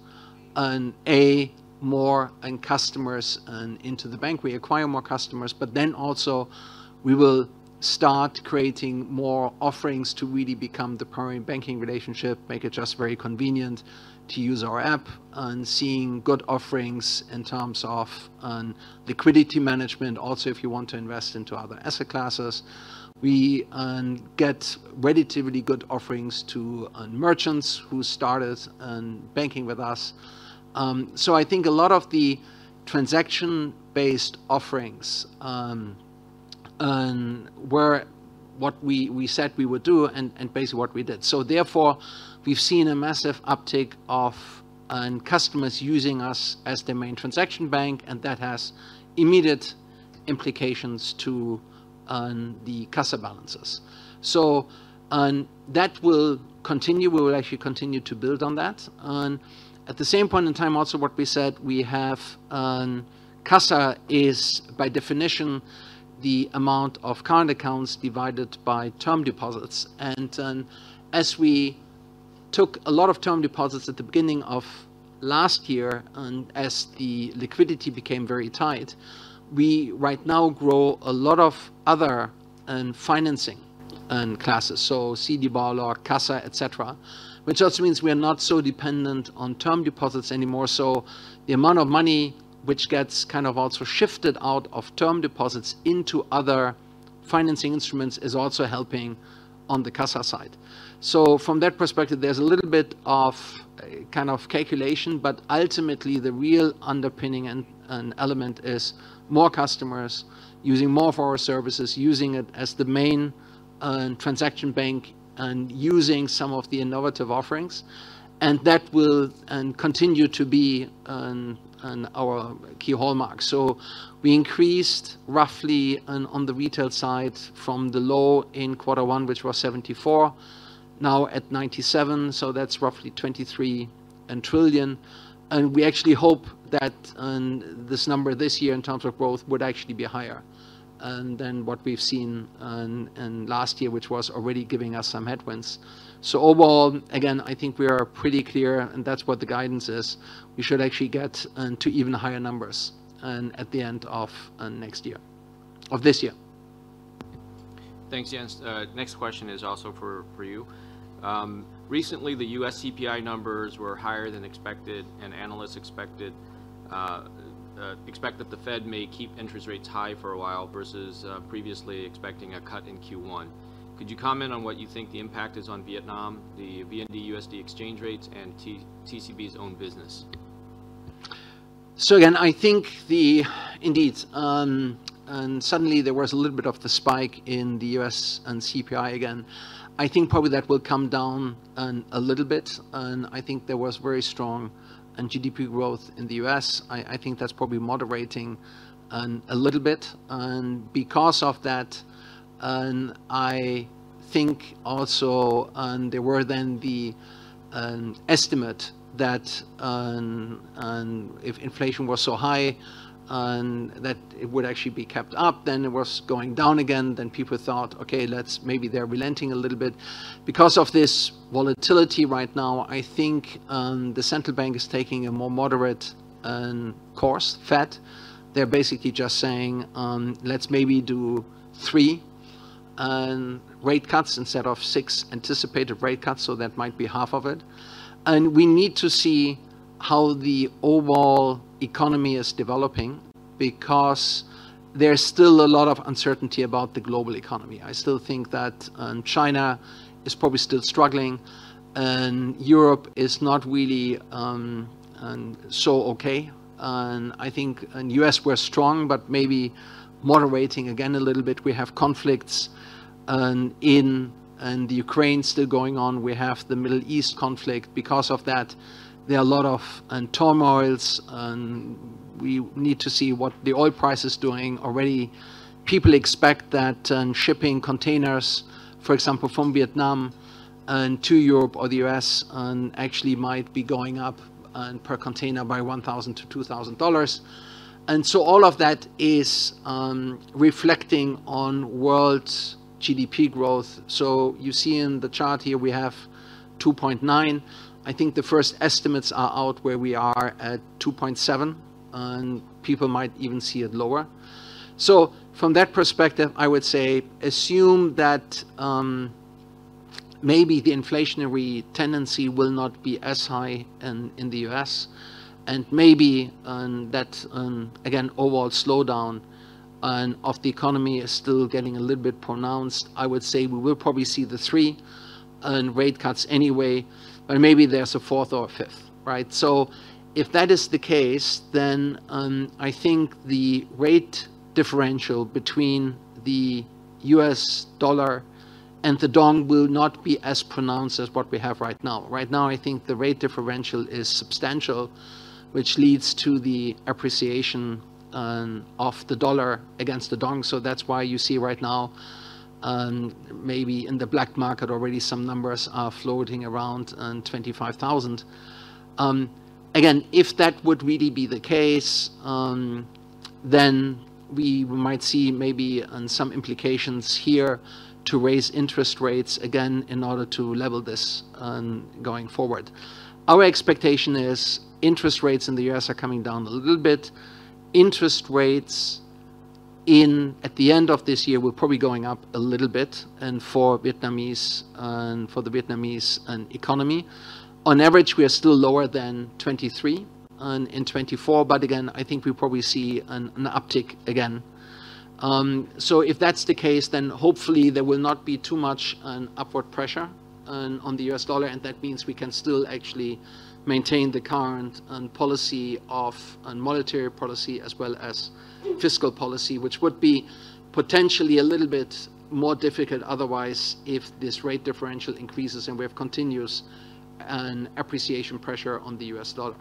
more customers into the bank. We acquire more customers, but then also we will start creating more offerings to really become the primary banking relationship, make it just very convenient to use our app, and seeing good offerings in terms of, liquidity management. Also, if you want to invest into other asset classes, we, get relatively good offerings to, merchants who started, banking with us. So I think a lot of the transaction-based offerings, were what we, we said we would do and, and basically what we did. So therefore, we've seen a massive uptick of, customers using us as their main transaction bank, and that has immediate implications to, the CASA balances. So, that will continue. We will actually continue to build on that. At the same point in time, also, what we said, we have... CASA is, by definition, the amount of current accounts divided by term deposits. As we took a lot of term deposits at the beginning of last year, and as the liquidity became very tight, we right now grow a lot of other financing classes, so CD Bao Loc or CASA, et cetera, which also means we are not so dependent on term deposits anymore. The amount of money which gets kind of also shifted out of term deposits into other financing instruments is also helping on the CASA side. From that perspective, there's a little bit of kind of calculation, but ultimately, the real underpinning and element is more customers using more of our services, using it as the main transaction bank, and using some of the innovative offerings. That will continue to be our key hallmark. So we increased roughly, on the retail side from the low in quarter one, which was 74 trillion, now at 97 trillion, so that's roughly 23 trillion. And we actually hope that, this number, this year, in terms of growth, would actually be higher, than what we've seen, in last year, which was already giving us some headwinds. So overall, again, I think we are pretty clear, and that's what the guidance is. We should actually get, to even higher numbers, at the end of, next year-- of this year. Thanks, Jens. Next question is also for you. Recently, the U.S. CPI numbers were higher than expected, and analysts expect that the Fed may keep interest rates high for a while, versus previously expecting a cut in Q1. Could you comment on what you think the impact is on Vietnam, the VND-USD exchange rates, and TCB's own business? ... So again, I think indeed, and suddenly there was a little bit of the spike in the U.S. and CPI again. I think probably that will come down a little bit, and I think there was very strong GDP growth in the US. I think that's probably moderating a little bit. And because of that, and I think also, and there were then the estimate that if inflation was so high that it would actually be kept up, then it was going down again. Then people thought, "Okay, let's maybe they're relenting a little bit." Because of this volatility right now, I think the central bank is taking a more moderate course, Fed. They're basically just saying, "Let's maybe do three rate cuts instead of six anticipated rate cuts," so that might be half of it. We need to see how the overall economy is developing, because there's still a lot of uncertainty about the global economy. I still think that, China is probably still struggling, and Europe is not really so okay. I think in U.S., we're strong, but maybe moderating again a little bit. We have conflicts in Ukraine still going on. We have the Middle East conflict. Because of that, there are a lot of turmoils, and we need to see what the oil price is doing. Already, people expect that shipping containers, for example, from Vietnam to Europe or the U.S., actually might be going up per container by $1,000-$2,000. And so all of that is reflecting on world's GDP growth. So you see in the chart here, we have 2.9%. I think the first estimates are out where we are at 2.7%, and people might even see it lower. So from that perspective, I would say, assume that, maybe the inflationary tendency will not be as high in the U.S., and maybe that, again, overall slowdown of the economy is still getting a little bit pronounced. I would say we will probably see the three rate cuts anyway, but maybe there's a fourth or a fifth, right? So if that is the case, then, I think the rate differential between the US dollar and the dong will not be as pronounced as what we have right now. Right now, I think the rate differential is substantial, which leads to the appreciation of the dollar against the dong. So that's why you see right now, maybe in the black market already, some numbers are floating around 25,000. Again, if that would really be the case, then we might see maybe some implications here to raise interest rates again in order to level this going forward. Our expectation is interest rates in the U.S. are coming down a little bit. Interest rates in at the end of this year will probably going up a little bit, and for the Vietnamese economy. On average, we are still lower than 23 trillion in 2024, but again, I think we'll probably see an uptick again. So if that's the case, then hopefully there will not be too much upward pressure on the US dollar, and that means we can still actually maintain the current policy of monetary policy as well as fiscal policy, which would be potentially a little bit more difficult otherwise, if this rate differential increases, and we have continuous appreciation pressure on the US dollar.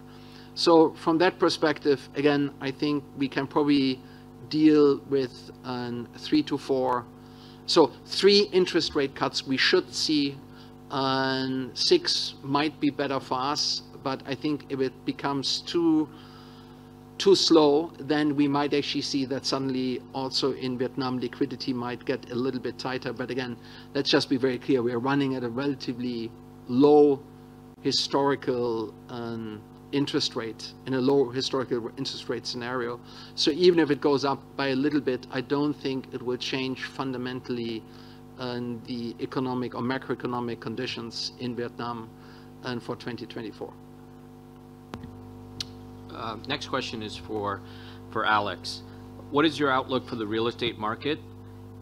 So from that perspective, again, I think we can probably deal with three to four. So three interest rate cuts we should see, might be better for us, but I think if it becomes too slow, then we might actually see that suddenly also in Vietnam, liquidity might get a little bit tighter. But again, let's just be very clear, we are running at a relatively low historical interest rate, in a low historical interest rate scenario. So even if it goes up by a little bit, I don't think it will change fundamentally the economic or macroeconomic conditions in Vietnam for 2024. Next question is for Alex: What is your outlook for the real estate market?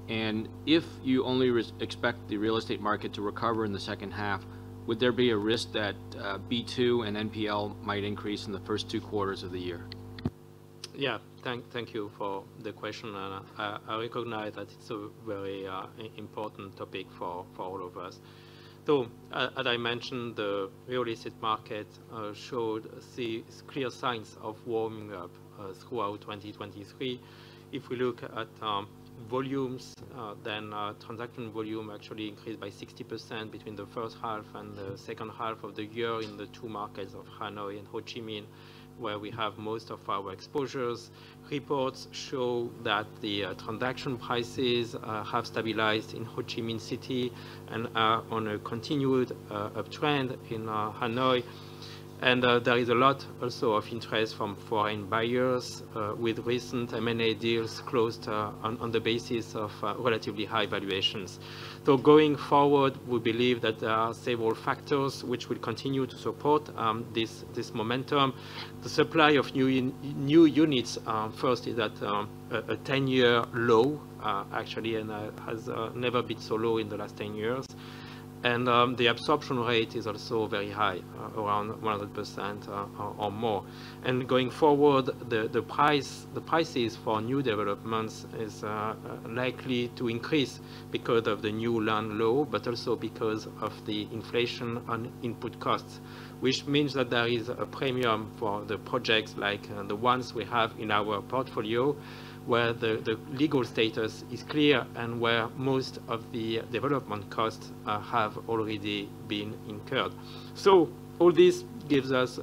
And if you only expect the real estate market to recover in the second half, would there be a risk that B2 and NPL might increase in the first two quarters of the year? Yeah. Thank you for the question, and I recognize that it's a very important topic for all of us. So, as I mentioned, the real estate market showed the clear signs of warming up throughout 2023. If we look at volumes, then transaction volume actually increased by 60% between the first half and the second half of the year in the two markets of Hanoi and Ho Chi Minh, where we have most of our exposures. Reports show that the transaction prices have stabilized in Ho Chi Minh City and are on a continued uptrend in Hanoi. And there is a lot also of interest from foreign buyers with recent M&A deals closed on the basis of relatively high valuations. Going forward, we believe that there are several factors which will continue to support this momentum. The supply of new units, first, is at a 10-year low, actually, and has never been so low in the last 10 years. ... and the absorption rate is also very high, around 100% or more. And going forward, the prices for new developments is likely to increase because of the new Land Law, but also because of the inflation on input costs. Which means that there is a premium for the projects like the ones we have in our portfolio, where the legal status is clear and where most of the development costs have already been incurred. So all this gives us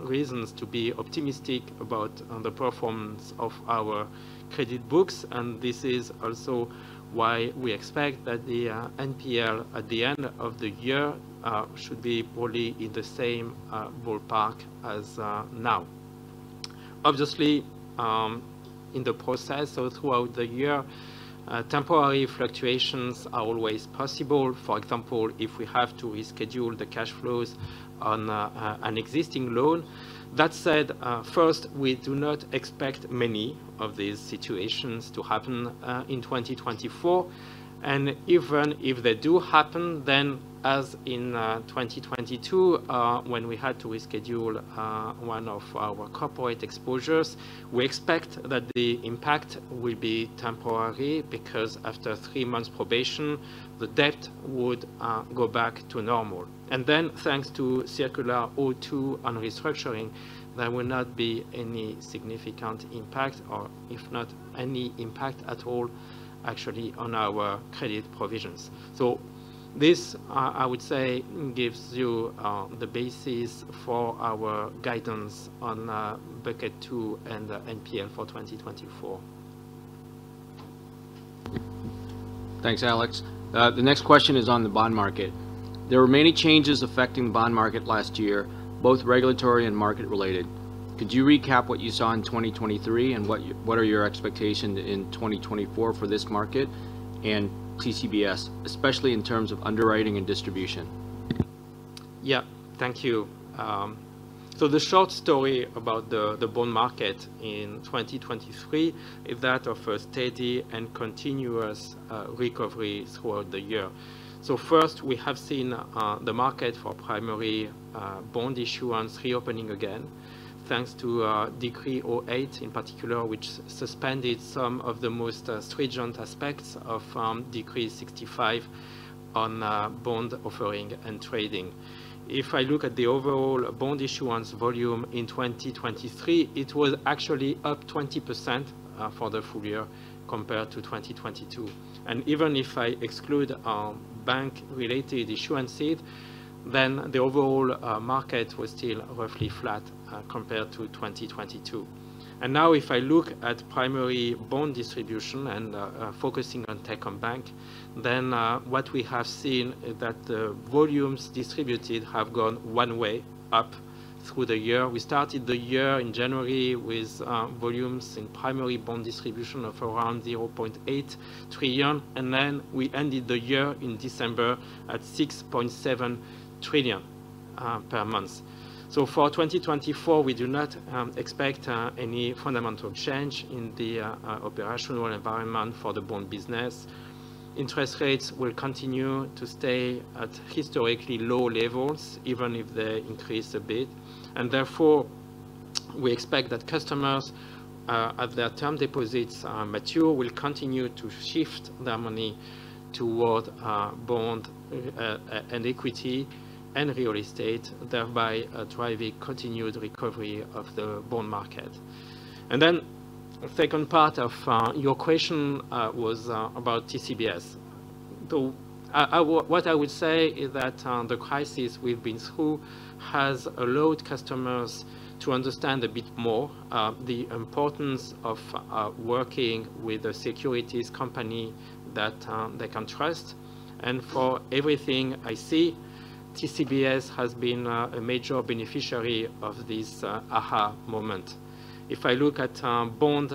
reasons to be optimistic about the performance of our credit books, and this is also why we expect that the NPL at the end of the year should be probably in the same ballpark as now. Obviously, in the process or throughout the year, temporary fluctuations are always possible. For example, if we have to reschedule the cash flows on an existing loan. That said, first, we do not expect many of these situations to happen in 2024. And even if they do happen, then as in 2022, when we had to reschedule one of our corporate exposures, we expect that the impact will be temporary, because after three months' probation, the debt would go back to normal. And then, thanks to Circular 02 on restructuring, there will not be any significant impact or if not any impact at all, actually, on our credit provisions. So this, I would say, gives you the basis for our guidance on Bucket 2 and the NPL for 2024. Thanks, Alex. The next question is on the bond market. There were many changes affecting the bond market last year, both regulatory and market-related. Could you recap what you saw in 2023, and what are your expectations in 2024 for this market and TCBS, especially in terms of underwriting and distribution? Yeah. Thank you. So the short story about the bond market in 2023 is that of a steady and continuous recovery throughout the year. So first, we have seen the market for primary bond issuance reopening again, thanks to Decree 08 in particular, which suspended some of the most stringent aspects of Decree 65 on bond offering and trading. If I look at the overall bond issuance volume in 2023, it was actually up 20% for the full year compared to 2022. And even if I exclude bank-related issuances, then the overall market was still roughly flat compared to 2022. Now, if I look at primary bond distribution and, focusing on Techcombank, then, what we have seen is that the volumes distributed have gone one way, up, through the year. We started the year in January with, volumes in primary bond distribution of around 0.8 trillion, and then we ended the year in December at 6.7 trillion, per month. For 2024, we do not expect any fundamental change in the, operational environment for the bond business. Interest rates will continue to stay at historically low levels, even if they increase a bit. And therefore, we expect that customers, as their term deposits, mature, will continue to shift their money toward, bond, and equity and real estate, thereby, driving continued recovery of the bond market. And then the second part of your question was about TCBS. What I would say is that the crisis we've been through has allowed customers to understand a bit more the importance of working with a securities company that they can trust. And for everything I see, TCBS has been a major beneficiary of this aha moment. If I look at bond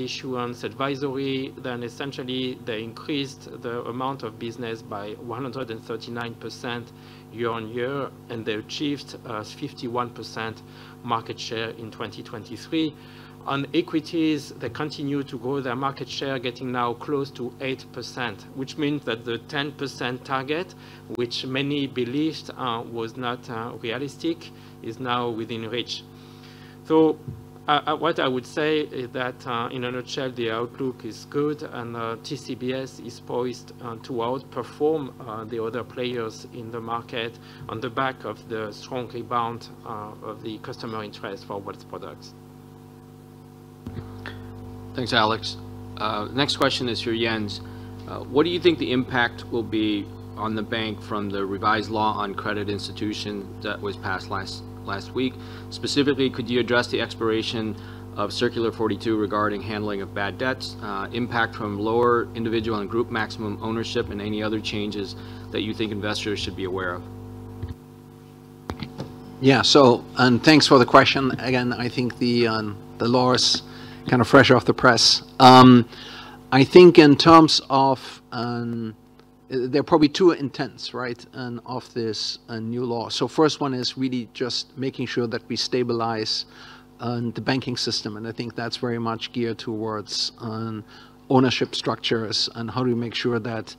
issuance advisory, then essentially, they increased the amount of business by 139% year-on-year, and they achieved a 51% market share in 2023. On equities, they continue to grow their market share, getting now close to 8%, which means that the 10% target, which many believed was not realistic, is now within reach. What I would say is that, in a nutshell, the outlook is good, and TCBS is poised to outperform the other players in the market on the back of the strong rebound of the customer interest for its products. Thanks, Alex. Next question is for Jens. What do you think the impact will be on the bank from the Revised Law on Credit Institution that was passed last week? Specifically, could you address the expiration of Circular 42 regarding handling of bad debts, impact from lower individual and group maximum ownership, and any other changes that you think investors should be aware of? Yeah. So, and thanks for the question. Again, I think the law is kind of fresh off the press. I think in terms of... there are probably two intents, right? And of this, new law. So first one is really just making sure that we stabilize, the banking system, and I think that's very much geared towards, ownership structures and how do we make sure that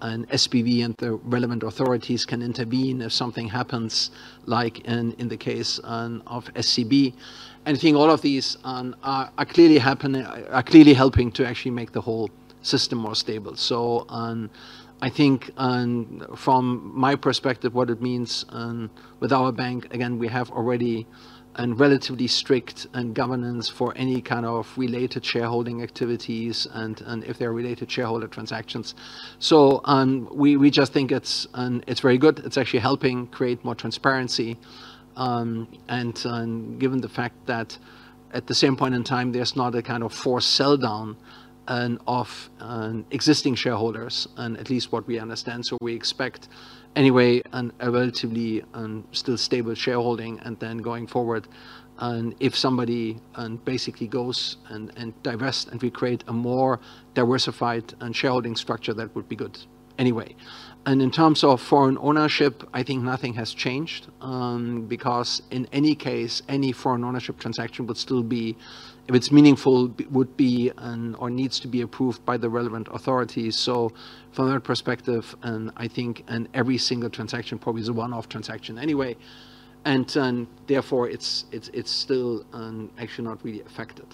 an SPV and the relevant authorities can intervene if something happens, like in the case, of SCB. And I think all of these, are clearly helping to actually make the whole system more stable. So, I think, from my perspective, what it means, with our bank, again, we have already a relatively strict, governance for any kind of related shareholding activities and, if they're related shareholder transactions. So, we just think it's, it's very good. It's actually helping create more transparency. And, given the fact that at the same point in time, there's not a kind of forced sell-down of existing shareholders, at least what we understand. So we expect anyway, a relatively still stable shareholding and then going forward, and if somebody basically goes and divests, and we create a more diversified shareholding structure, that would be good anyway. And in terms of foreign ownership, I think nothing has changed, because in any case, any foreign ownership transaction would still be if it's meaningful, it would be or needs to be approved by the relevant authorities. So from that perspective, and I think, and every single transaction probably is a one-off transaction anyway, and therefore, it's still actually not really affected.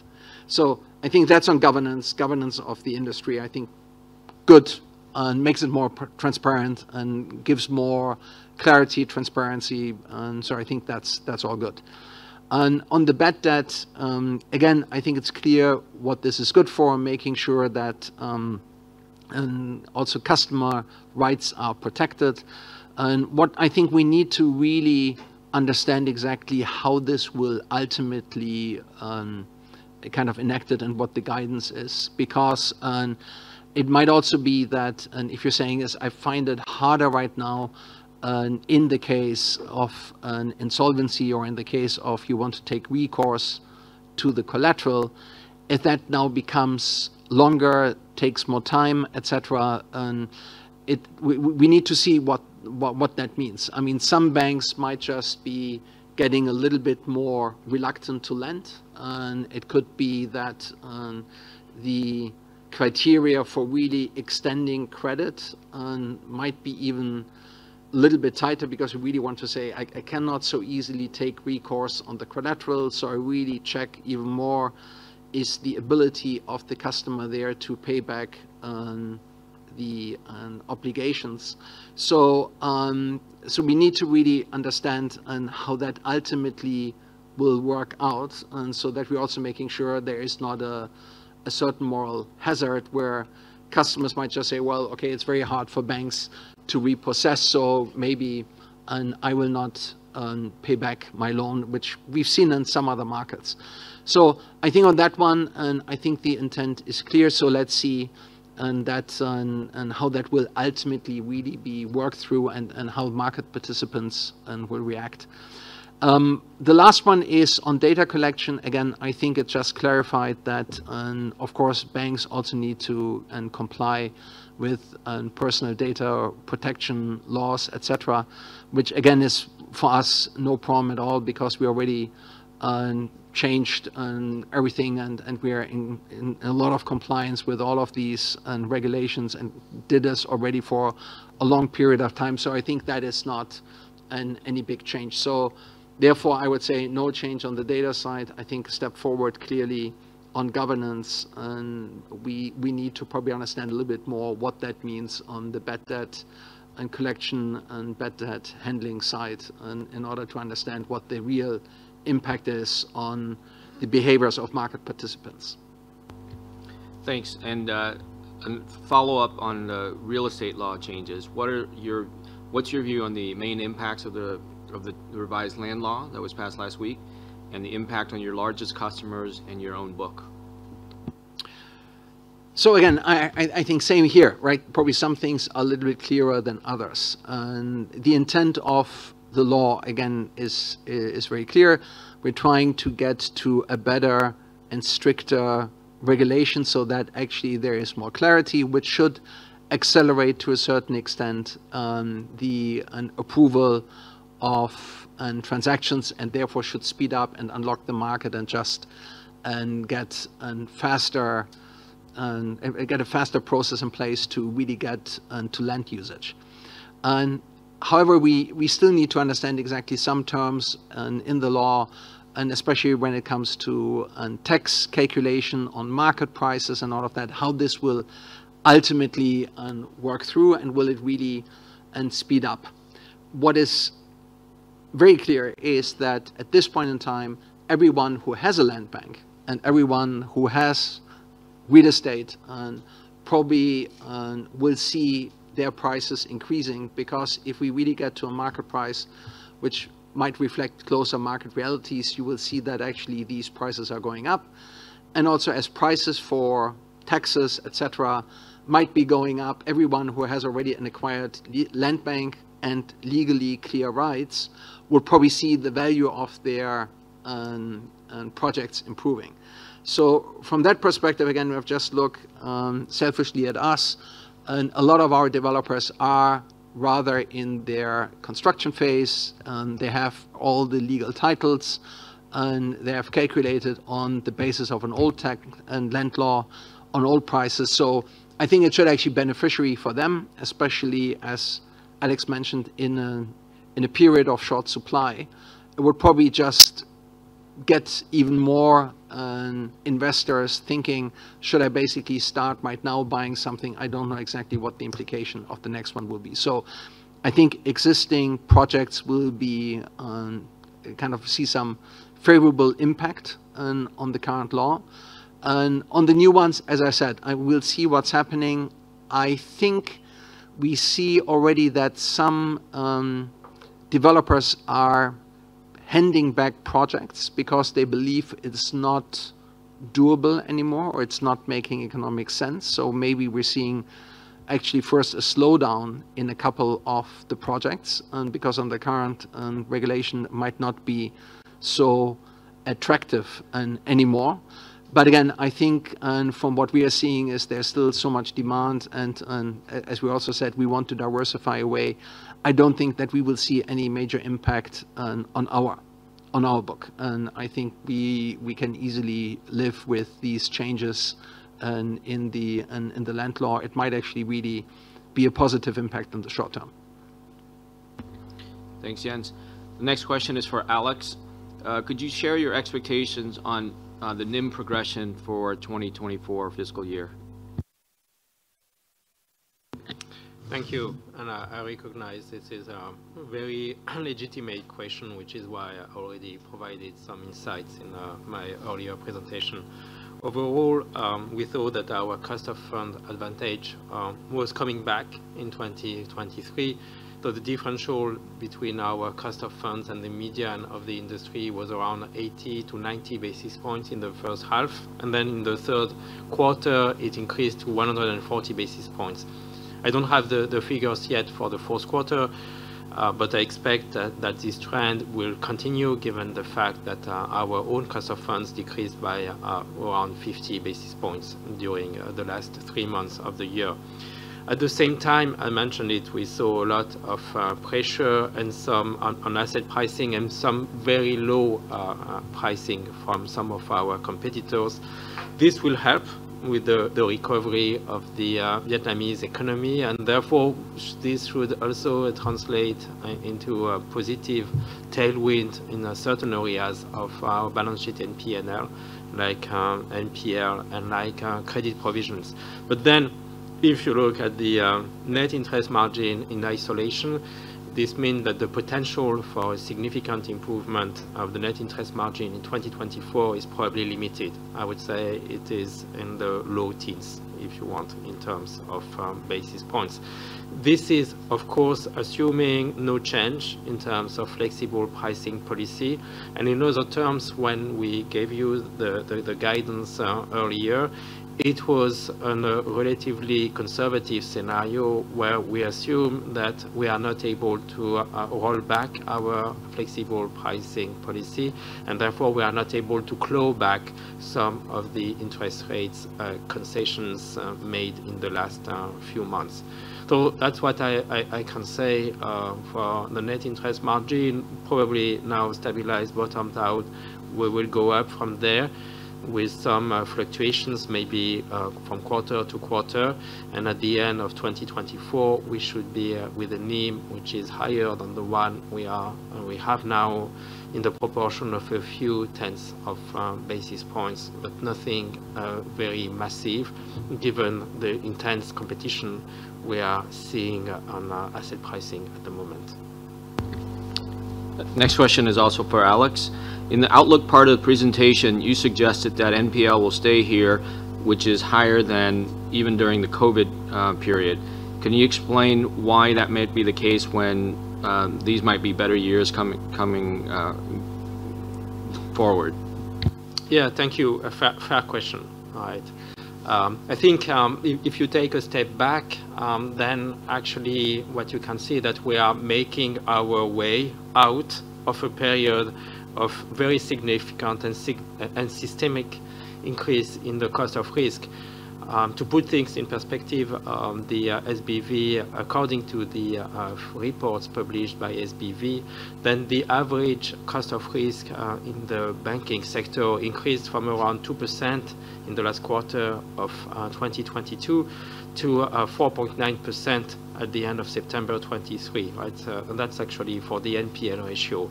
So I think that's on governance. Governance of the industry, I think, good, makes it more transparent and gives more clarity, transparency. And so I think that's all good. And on the bad debt, again, I think it's clear what this is good for, making sure that and also customer rights are protected. And what I think we need to really understand exactly how this will ultimately kind of enacted and what the guidance is, because it might also be that... and if you're saying is, I find it harder right now, in the case of an insolvency or in the case of you want to take recourse to the collateral, if that now becomes longer, takes more time, et cetera, we need to see what that means. I mean, some banks might just be getting a little bit more reluctant to lend, and it could be that, the criteria for really extending credit, might be even a little bit tighter because we really want to say, "I cannot so easily take recourse on the collateral, so I really check even more, is the ability of the customer there to pay back the obligations?" So we need to really understand on how that ultimately will work out, and so that we're also making sure there is not a certain moral hazard, where customers might just say, "Well, okay, it's very hard for banks to repossess, so maybe I will not pay back my loan," which we've seen in some other markets. So I think on that one, and I think the intent is clear, so let's see, and that's, and how that will ultimately really be worked through and, and how market participants, will react. The last one is on data collection. Again, I think it just clarified that, of course, banks also need to, comply with, Personal Data Protection Laws, et cetera, which again, is for us, no problem at all, because we already, changed, everything, and, and we are in, in a lot of compliance with all of these, regulations and did this already for a long period of time. So I think that is not, any big change. So therefore, I would say no change on the data side. I think a step forward, clearly on governance, and we need to probably understand a little bit more what that means on the bad debt and collection and bad debt handling side, in order to understand what the real impact is on the behaviors of market participants. Thanks. And, and follow up on the real estate law changes, what are your-- what's your view on the main impacts of the, of the Revised Land Law that was passed last week, and the impact on your largest customers and your own book? Again, I think same here, right? Probably some things are a little bit clearer than others. The intent of the law, again, is very clear. We're trying to get to a better and stricter regulation so that actually there is more clarity, which should accelerate, to a certain extent, an approval of transactions, and therefore should speed up and unlock the market and just get a faster process in place to really get to land usage. However, we still need to understand exactly some terms in the law, and especially when it comes to tax calculation on market prices and all of that, how this will ultimately work through, and will it really speed up? What is very clear is that at this point in time, everyone who has a land bank and everyone who has real estate, and probably, will see their prices increasing. Because if we really get to a market price which might reflect closer market realities, you will see that actually these prices are going up. And also, as prices for taxes, et cetera, might be going up, everyone who has already an acquired land bank and legally clear rights will probably see the value of their projects improving. So from that perspective, again, we have just looked selfishly at us, and a lot of our developers are rather in their construction phase, and they have all the legal titles, and they have calculated on the basis of an old Tax and Land Law on old prices. So I think it should actually be beneficial for them, especially as Alex mentioned, in a period of short supply. It will probably just get even more investors thinking, "Should I basically start right now buying something? I don't know exactly what the implication of the next one will be." So I think existing projects will be kind of see some favorable impact on the current law. And on the new ones, as I said, I will see what's happening. I think we see already that some developers are handing back projects because they believe it's not doable anymore, or it's not making economic sense. So maybe we're seeing actually first a slowdown in a couple of the projects, and because on the current regulation might not be so attractive anymore. But again, I think, and from what we are seeing, is there's still so much demand, and, as we also said, we want to diversify away. I don't think that we will see any major impact on our book, and I think we can easily live with these changes in the Land Law. It might actually really be a positive impact in the short term. Thanks, Jens. The next question is for Alex. Could you share your expectations on, on the NIM progression for 2024 fiscal year? Thank you, and I recognize this is a very legitimate question, which is why I already provided some insights in my earlier presentation. Overall, we thought that our cost of fund advantage was coming back in 2023, so the differential between our cost of funds and the median of the industry was around 80-90 basis points in the first half, and then in the third quarter, it increased to 140 basis points. I don't have the figures yet for the fourth quarter, but I expect that this trend will continue, given the fact that our own cost of funds decreased by around 50 basis points during the last three months of the year. At the same time, I mentioned it, we saw a lot of pressure and some... On asset pricing and some very low pricing from some of our competitors. This will help with the recovery of the Vietnamese economy, and therefore, this should also translate into a positive tailwind in certain areas of our balance sheet and P&L, like NPL and like credit provisions. But then, if you look at the net interest margin in isolation, this mean that the potential for significant improvement of the net interest margin in 2024 is probably limited. I would say it is in the low teens, if you want, in terms of basis points. This is, of course, assuming no change in terms of flexible pricing policy, and in those terms, when we gave you the guidance earlier, it was on a relatively conservative scenario, where we assume that we are not able to roll back our flexible pricing policy, and therefore, we are not able to claw back some of the interest rates concessions made in the last few months. So that's what I can say for the net interest margin, probably now stabilized, bottomed out. We will go up from there with some fluctuations, maybe, from quarter to quarter, and at the end of 2024, we should be with a NIM which is higher than the one we have now, in the proportion of a few tenths of basis points, but nothing very massive, given the intense competition we are seeing on asset pricing at the moment. Next question is also for Alex. In the outlook part of the presentation, you suggested that NPL will stay here, which is higher than even during the COVID period. Can you explain why that might be the case when these might be better years coming forward? Yeah. Thank you. A fair, fair question. All right. I think, if, if you take a step back, then actually what you can see that we are making our way out of a period of very significant and systemic increase in the cost of risk. To put things in perspective, the SBV, according to the reports published by SBV, then the average cost of risk in the Banking sector increased from around 2% in the last quarter of 2022 to 4.9% at the end of September 2023, right? And that's actually for the NPL ratio.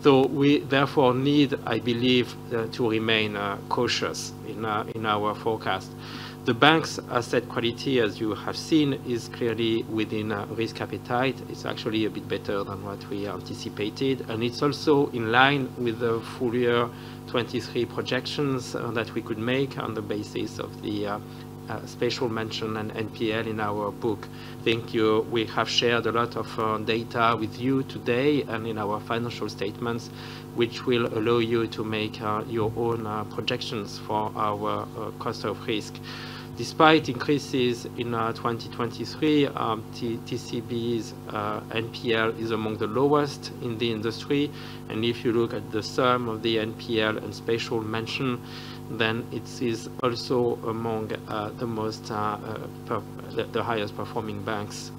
So we therefore need, I believe, to remain cautious in our forecast. The bank's asset quality, as you have seen, is clearly within our risk appetite. It's actually a bit better than what we anticipated, and it's also in line with the full year 2023 projections that we could make on the basis of the special mention and NPL in our book. Thank you. We have shared a lot of data with you today and in our financial statements, which will allow you to make your own projections for our cost of risk. Despite increases in 2023, TCB's NPL is among the lowest in the industry, and if you look at the sum of the NPL and special mention, then it is also among the most the highest performing banks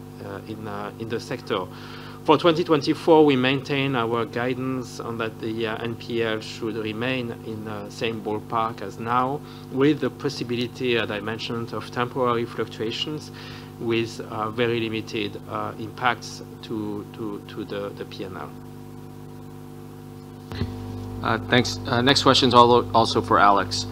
in the sector. For 2024, we maintain our guidance on that the NPL should remain in the same ballpark as now, with the possibility, as I mentioned, of temporary fluctuations with very limited impacts to the P&L. Thanks. Next question's also for Alex.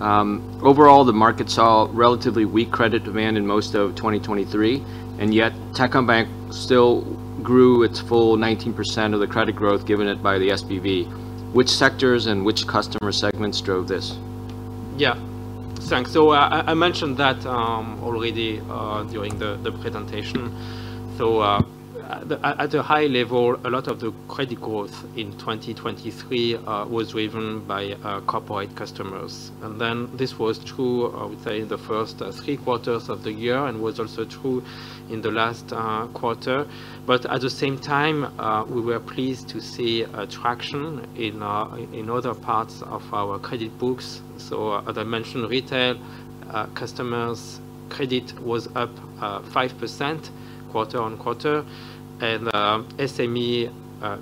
Overall, the market saw relatively weak credit demand in most of 2023, and yet Techcombank still grew its full 19% of the credit growth given it by the SBV. Which sectors and which customer segments drove this? Yeah. Thanks. So I mentioned that already during the presentation. So, at a high level, a lot of the credit growth in 2023 was driven by corporate customers, and then this was true, I would say, in the first three quarters of the year and was also true in the last quarter. But at the same time, we were pleased to see traction in other parts of our credit books. So as I mentioned, retail customers' credit was up 5% quarter-on-quarter, and SME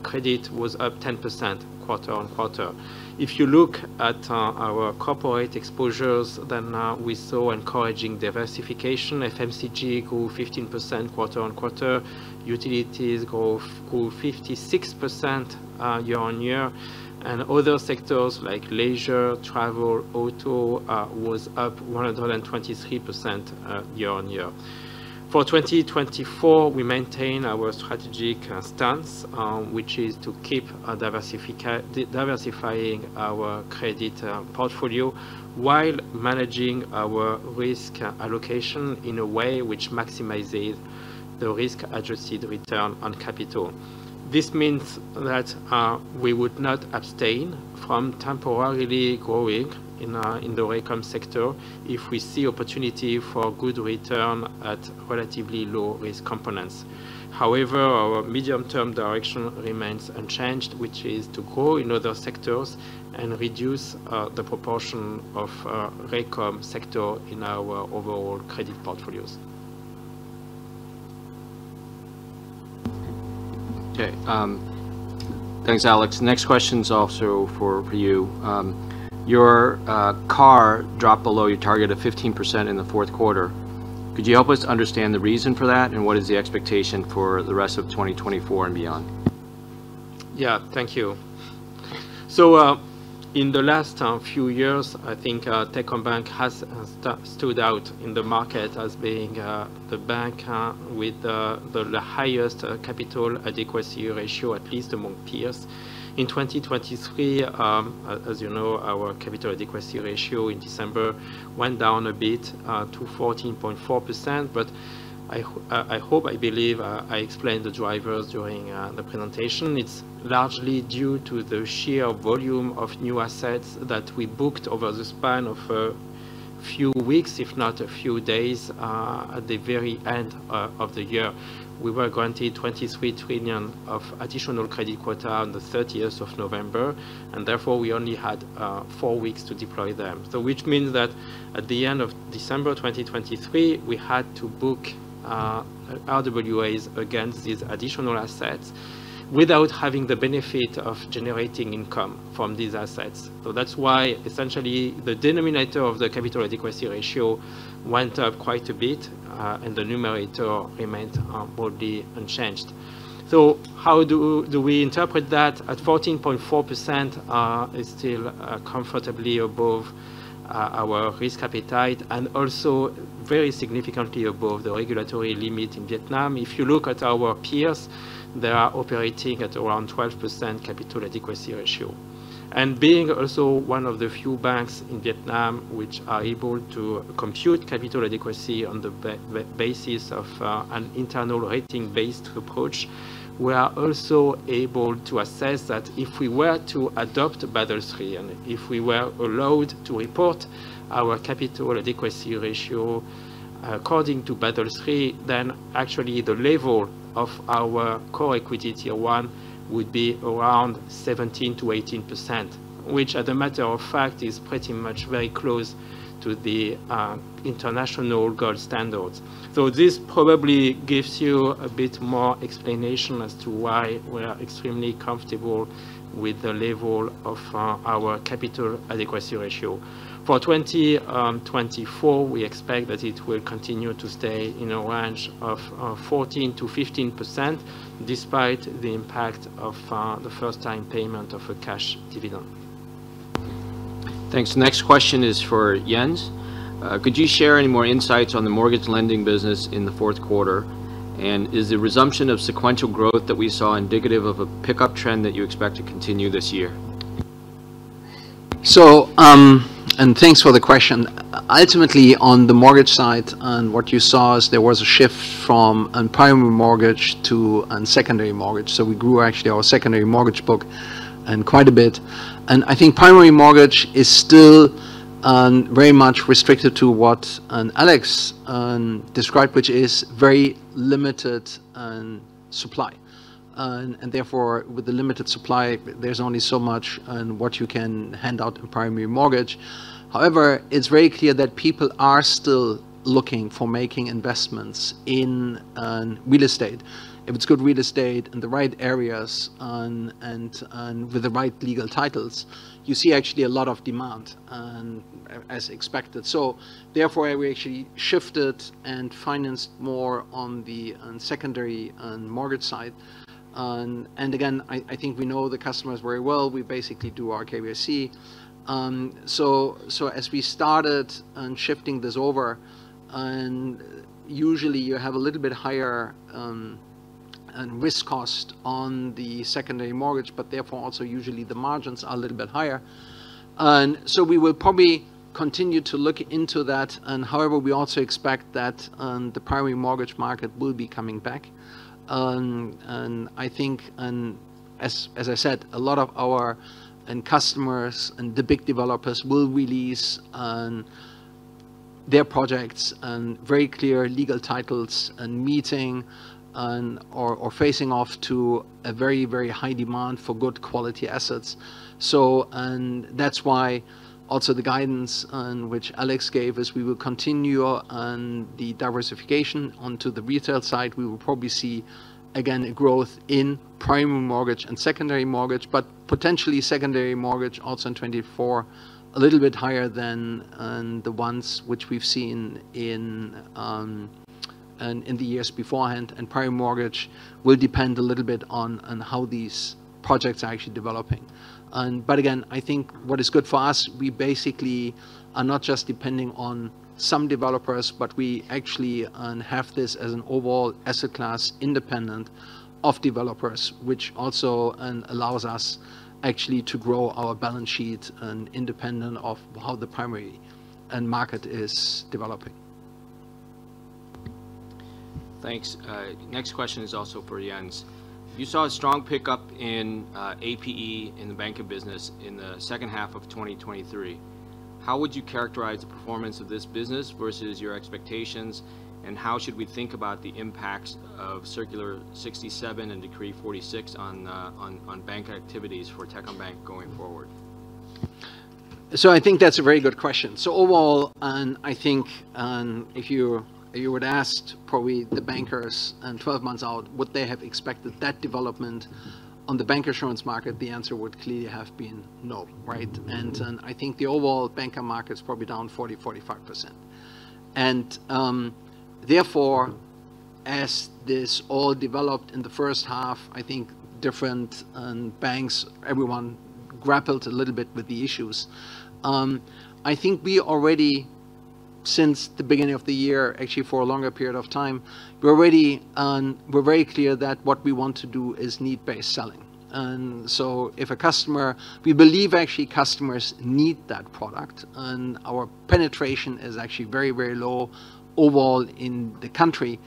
credit was up 10% quarter-on-quarter. If you look at our corporate exposures, then we saw encouraging diversification. FMCG grew 15% quarter-on-quarter, utilities grew 56% year-on-year, and other sectors like leisure, travel, auto was up 123% year-on-year. For 2024, we maintain our strategic stance, which is to keep diversifying our credit portfolio while managing our risk allocation in a way which maximizes the risk-adjusted return on capital. This means that we would not abstain from temporarily growing in the RECOM sector if we see opportunity for good return at relatively low risk components. However, our medium-term direction remains unchanged, which is to grow in other sectors and reduce the proportion of RECOM sector in our overall credit portfolios. Okay, thanks, Alex. Next question's also for you. Your CAR dropped below your target of 15% in the fourth quarter. Could you help us understand the reason for that, and what is the expectation for the rest of 2024 and beyond? Yeah. Thank you. So, in the last few years, I think, Techcombank has stood out in the market as being the bank with the highest Capital Adequacy Ratio, at least among peers. In 2023, as you know, our Capital Adequacy Ratio in December went down a bit to 14.4%, but I hope, I believe, I explained the drivers during the presentation. It's largely due to the sheer volume of new assets that we booked over the span of a few weeks, if not a few days, at the very end of the year. We were granted 23 trillion of additional credit quota on the thirtieth of November, and therefore, we only had four weeks to deploy them. So which means that at the end of December 2023, we had to book RWAs against these additional assets without having the benefit of generating income from these assets. So that's why, essentially, the denominator of the Capital Adequacy Ratio went up quite a bit, and the numerator remained broadly unchanged. So how do we interpret that? At 14.4%, it's still comfortably above our risk appetite and also very significantly above the regulatory limit in Vietnam. If you look at our peers, they are operating at around 12% Capital Adequacy Ratio. Being also one of the few banks in Vietnam which are able to compute capital adequacy on the basis of an Internal Rating-Based Approach, we are also able to assess that if we were to adopt Basel III, and if we were allowed to report our Capital Adequacy Ratio according to Basel III, then actually the level of our core equity Tier 1 would be around 17%-18%, which, as a matter of fact, is pretty much very close to the international gold standards. So this probably gives you a bit more explanation as to why we are extremely comfortable with the level of our Capital Adequacy Ratio. For 2024, we expect that it will continue to stay in a range of 14%-15%, despite the impact of the first-time payment of a cash dividend. Thanks. Next question is for Jens. Could you share any more insights on the mortgage lending business in the fourth quarter? And is the resumption of sequential growth that we saw indicative of a pickup trend that you expect to continue this year? Thanks for the question. Ultimately, on the mortgage side, and what you saw is there was a shift from on primary mortgage to on secondary mortgage. We grew actually our secondary mortgage book quite a bit. I think primary mortgage is still very much restricted to what Alex described, which is very limited supply. Therefore, with the limited supply, there's only so much on what you can hand out in primary mortgage. However, it's very clear that people are still looking for making investments in real estate. If it's good real estate in the right areas and with the right legal titles, you see actually a lot of demand as expected. Therefore, we actually shifted and financed more on the secondary mortgage side. And again, I think we know the customers very well. We basically do our KYC. So as we started shifting this over, and usually you have a little bit higher risk cost on the secondary mortgage, but therefore also usually the margins are a little bit higher. And so we will probably continue to look into that, and however, we also expect that the primary mortgage market will be coming back. And I think, as I said, a lot of our customers and the big developers will release their projects and very clear legal titles and meeting or facing off to a very, very high demand for good quality assets. So, and that's why also the guidance which Alex gave us, we will continue on the diversification onto the retail side. We will probably see, again, a growth in primary mortgage and secondary mortgage, but potentially secondary mortgage also in 2024, a little bit higher than the ones which we've seen in the years beforehand. And primary mortgage will depend a little bit on how these projects are actually developing. But again, I think what is good for us, we basically are not just depending on some developers, but we actually have this as an overall asset class, independent of developers, which also allows us actually to grow our balance sheet and independent of how the primary market is developing. Thanks. Next question is also for Jens. You saw a strong pickup in APE in the banker business in the second half of 2023. How would you characterize the performance of this business versus your expectations, and how should we think about the impacts of Circular 67 and Decree 46 on banker activities for Techcombank going forward? So I think that's a very good question. Overall, I think, if you would ask probably the bankers, 12 months out, would they have expected that development on the bancassurance market? The answer would clearly have been no, right? Mm-hmm. I think the overall banking market is probably down 40-45%. Therefore, as this all developed in the first half, I think different banks, everyone grappled a little bit with the issues. I think we already, since the beginning of the year, actually for a longer period of time, we're already... we're very clear that what we want to do is need-based selling. And so if a customer, we believe actually customers need that product, and our penetration is actually very, very low overall in the country.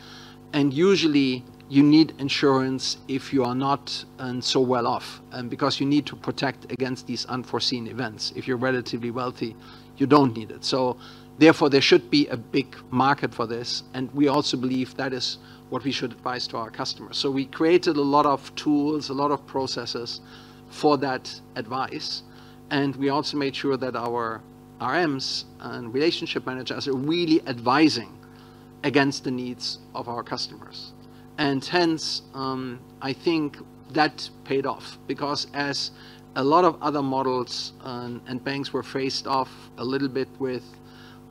And usually, you need insurance if you are not so well off, because you need to protect against these unforeseen events. If you're relatively wealthy, you don't need it. So therefore, there should be a big market for this, and we also believe that is what we should advise to our customers. So we created a lot of tools, a lot of processes for that advice, and we also made sure that our RMs, Relationship Managers, are really advising against the needs of our customers. And hence, I think that paid off, because as a lot of other models, and banks were faced off a little bit with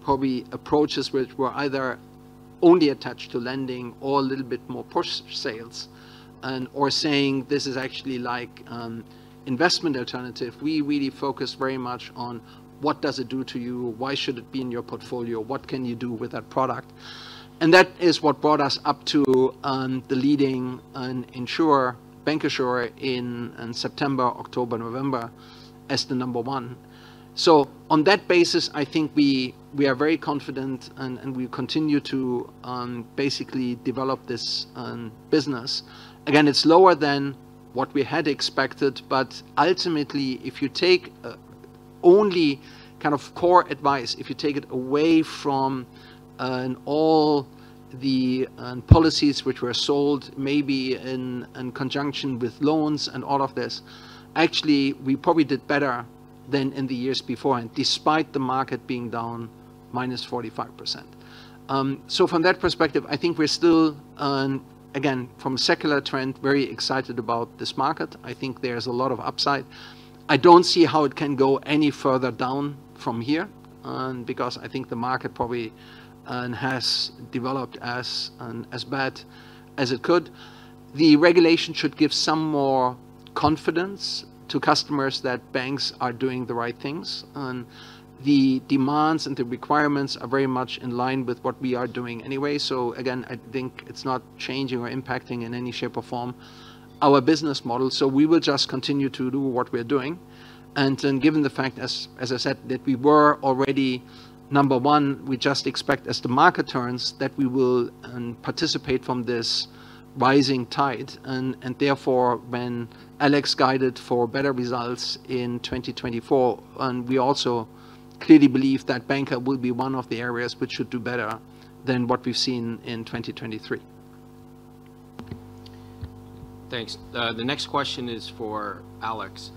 probably approaches which were either only attached to lending or a little bit more push sales, and or saying, "This is actually like, investment alternative," we really focus very much on: What does it do to you? Why should it be in your portfolio? What can you do with that product? And that is what brought us up to, the leading insurer, bank insurer in September, October, November as the number one. So on that basis, I think we, we are very confident and, and we continue to, basically develop this, business. Again, it's lower than what we had expected, but ultimately, if you take, only kind of core advice, if you take it away from, all the, policies which were sold, maybe in, in conjunction with loans and all of this, actually, we probably did better than in the years before, and despite the market being down -45%. So from that perspective, I think we're still, again, from a secular trend, very excited about this market. I think there's a lot of upside. I don't see how it can go any further down from here, because I think the market probably, has developed as, as bad as it could. The regulation should give some more confidence to customers that banks are doing the right things, and the demands and the requirements are very much in line with what we are doing anyway. So again, I think it's not changing or impacting in any shape or form our business model. So we will just continue to do what we're doing. And then given the fact, as I said, that we were already number one, we just expect, as the market turns, that we will participate from this rising tide. And therefore, when Alex guided for better results in 2024, and we also clearly believe that banking will be one of the areas which should do better than what we've seen in 2023.... Thanks. The next question is for Alex.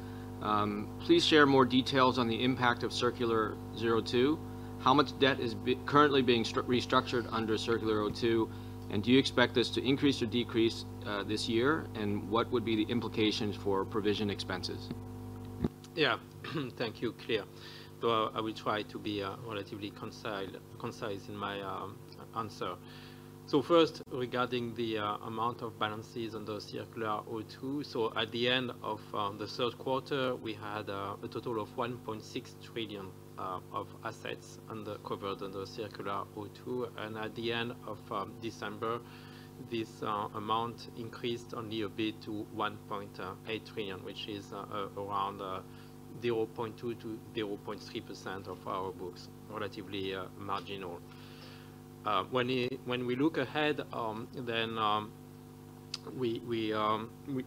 Please share more details on the impact of Circular 02. How much debt is currently being restructured under Circular 02, and do you expect this to increase or decrease this year? And what would be the implications for provision expenses? Yeah, thank you, Clear. So I will try to be relatively concise, concise in my answer. So first, regarding the amount of balances under Circular 02, so at the end of the third quarter, we had a total of 1.6 trillion of assets covered under Circular 02. And at the end of December, this amount increased only a bit to 1.8 trillion, which is around 0.2%-0.3% of our books, relatively marginal. When we look ahead, then we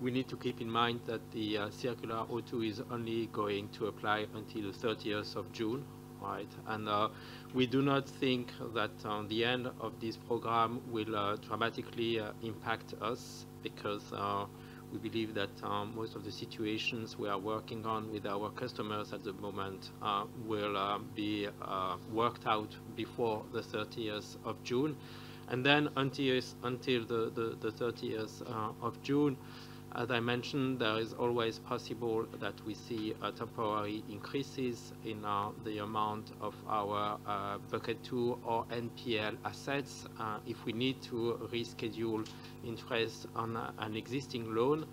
need to keep in mind that the Circular 02 is only going to apply until the thirtieth of June, right? We do not think that the end of this program will dramatically impact us, because we believe that most of the situations we are working on with our customers at the moment will be worked out before the thirtieth of June. And then, until the thirtieth of June, as I mentioned, there is always possible that we see a temporary increases in the amount of our Bucket 2 or NPL assets, if we need to reschedule interest on an existing loan.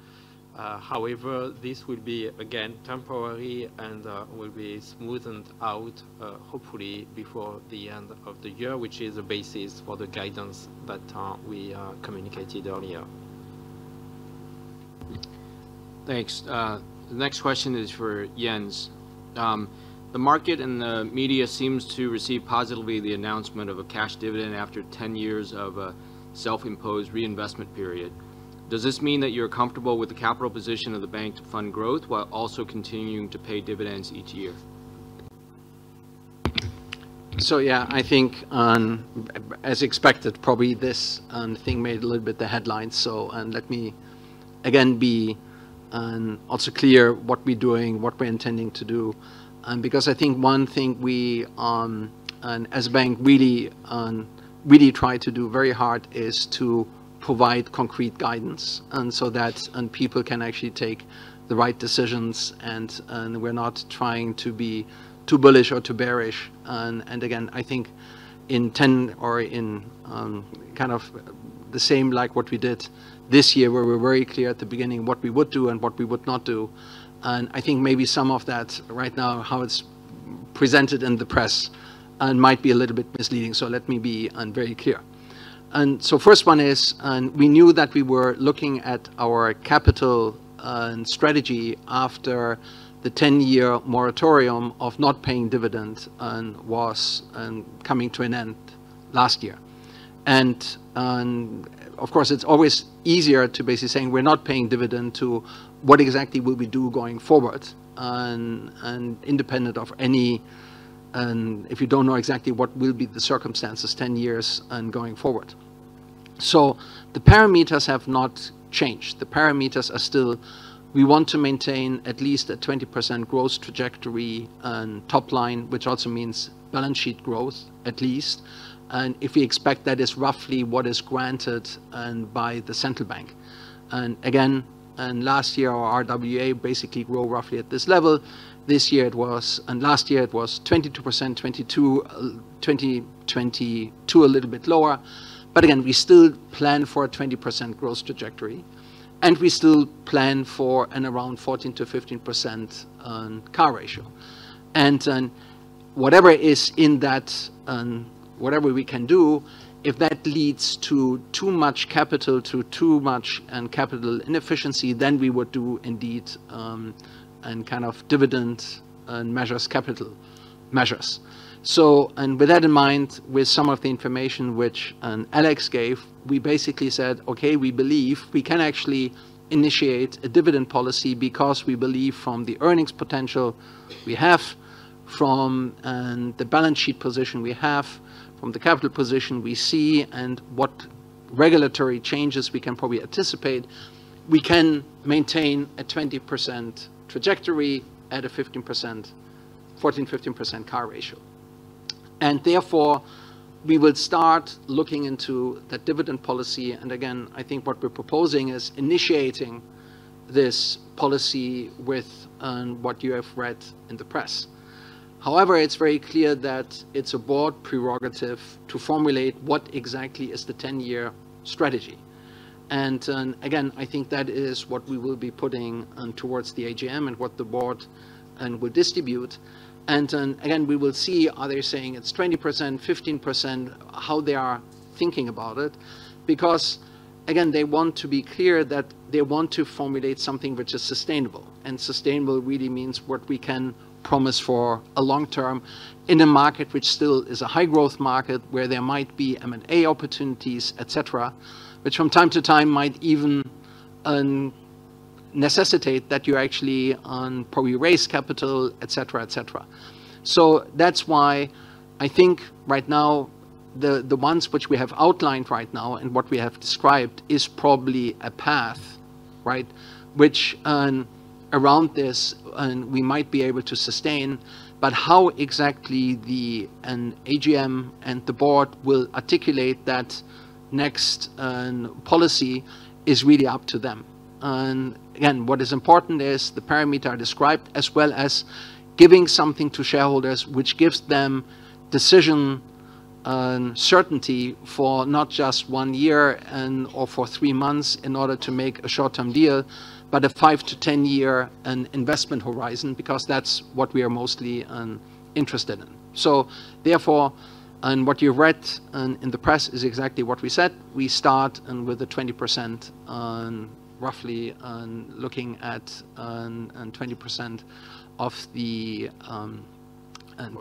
However, this will be, again, temporary and will be smoothened out, hopefully before the end of the year, which is the basis for the guidance that we communicated earlier. Thanks. The next question is for Jens. The market and the media seems to receive positively the announcement of a cash dividend after 10 years of a self-imposed reinvestment period. Does this mean that you're comfortable with the capital position of the bank to fund growth, while also continuing to pay dividends each year? So yeah, I think, as expected, probably this thing made a little bit the headlines. So, and let me again be also clear what we're doing, what we're intending to do. Because I think one thing we, and as a bank, really really try to do very hard is to provide concrete guidance, and so that, and people can actually take the right decisions, and, and we're not trying to be too bullish or too bearish. And, and again, I think in ten or in kind of the same like what we did this year, where we're very clear at the beginning what we would do and what we would not do, and I think maybe some of that right now, how it's presented in the press might be a little bit misleading. So let me be very clear. So first one is, and we knew that we were looking at our capital and strategy after the ten-year moratorium of not paying dividends and was coming to an end last year. And, of course, it's always easier to basically saying, "We're not paying dividend," to, "What exactly will we do going forward?" And, and independent of any, and if you don't know exactly what will be the circumstances 10 years and going forward. So the parameters have not changed. The parameters are still, we want to maintain at least a 20% growth trajectory and top line, which also means balance sheet growth, at least. And if we expect that is roughly what is granted by the central bank. And again, and last year, our RWA basically grew roughly at this level. This year, it was-- and last year, it was 22%, 22, 2022, a little bit lower. But again, we still plan for a 20% growth trajectory, and we still plan for and around 14%-15% CAR ratio. And whatever is in that, whatever we can do, if that leads to too much capital, to too much capital inefficiency, then we would do indeed, and kind of dividend and measures, capital measures. So, and with that in mind, with some of the information which, Alex gave, we basically said, "Okay, we believe we can actually initiate a dividend policy," because we believe from the earnings potential we have, from, the balance sheet position we have, from the capital position we see, and what regulatory changes we can probably anticipate, we can maintain a 20% trajectory at a 15%, 14%-15% CAR ratio. And therefore, we would start looking into that dividend policy. And again, I think what we're proposing is initiating this policy with, what you have read in the press. However, it's very clear that it's a board prerogative to formulate what exactly is the 10-year strategy. And, again, I think that is what we will be putting, towards the AGM and what the board, will distribute. Again, we will see, are they saying it's 20%, 15%, how they are thinking about it? Because, again, they want to be clear that they want to formulate something which is sustainable, and sustainable really means what we can promise for a long term in a market which still is a high-growth market, where there might be M&A opportunities, et cetera, which from time to time might even necessitate that you're actually on probably raise capital, et cetera, et cetera. So that's why I think right now, the ones which we have outlined right now and what we have described is probably a path, right? Which around this, and we might be able to sustain, but how exactly the AGM and the board will articulate that next policy is really up to them. And again, what is important is the parameter I described, as well as giving something to shareholders which gives them decision certainty for not just one year and or for three months in order to make a short-term deal, but a 5-10-year investment horizon, because that's what we are mostly interested in. So therefore, and what you read in the press is exactly what we said. We start with a 20% roughly looking at 20% of the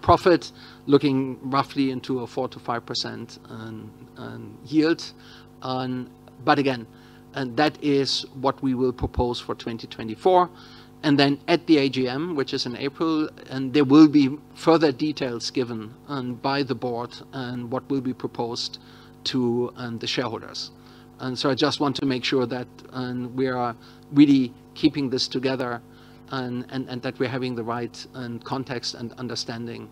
profit looking roughly into a 4%-5% yield. But again, and that is what we will propose for 2024. And then at the AGM, which is in April, and there will be further details given by the board what will be proposed to the shareholders. And so I just want to make sure that we are really keeping this together and that we're having the right context and understanding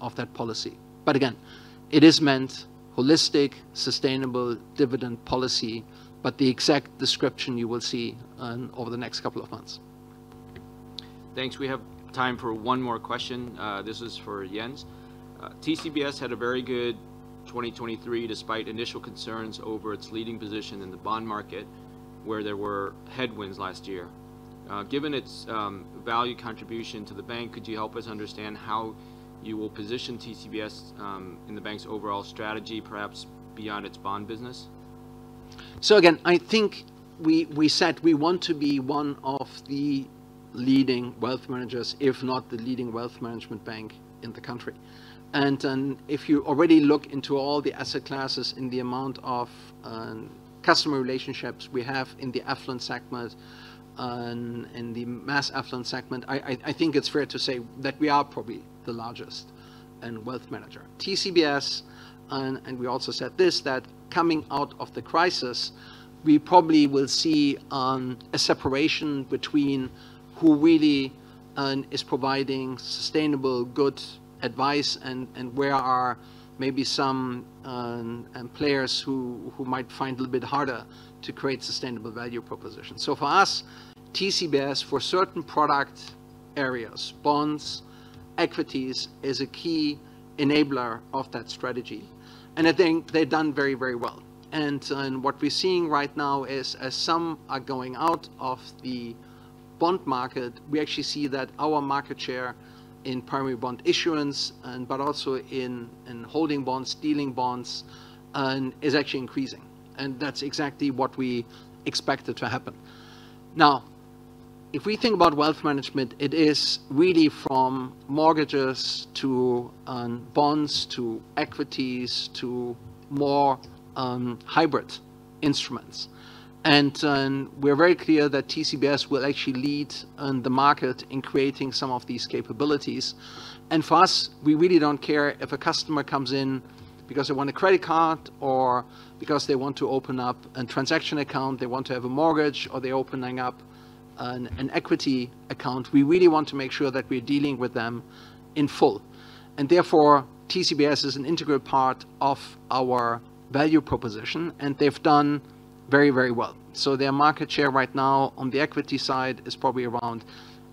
of that policy. But again, it is meant holistic, sustainable dividend policy, but the exact description you will see over the next couple of months. Thanks. We have time for one more question. This is for Jens. TCBS had a very good 2023, despite initial concerns over its leading position in the bond market, where there were headwinds last year. Given its value contribution to the bank, could you help us understand how you will position TCBS in the bank's overall strategy, perhaps beyond its bond business? So again, I think we said we want to be one of the leading wealth managers, if not the leading wealth management bank in the country. And if you already look into all the asset classes and the amount of customer relationships we have in the affluent segment, in the mass affluent segment, I think it's fair to say that we are probably the largest wealth manager. TCBS, and we also said this, that coming out of the crisis, we probably will see a separation between who really is providing sustainable, good advice and where are maybe some players who might find it a bit harder to create sustainable value propositions. So for us, TCBS, for certain product areas, bonds, equities, is a key enabler of that strategy, and I think they've done very, very well. And what we're seeing right now is, as some are going out of the bond market, we actually see that our market share in primary bond issuance and but also in holding bonds, dealing bonds, is actually increasing, and that's exactly what we expected to happen. Now, if we think about wealth management, it is really from mortgages to bonds, to equities, to more hybrid instruments. And we're very clear that TCBS will actually lead the market in creating some of these capabilities. And for us, we really don't care if a customer comes in because they want a credit card or because they want to open up a transaction account, they want to have a mortgage, or they're opening up an equity account. We really want to make sure that we're dealing with them in full. Therefore, TCBS is an integral part of our value proposition, and they've done very, very well. Their market share right now on the equity side is probably around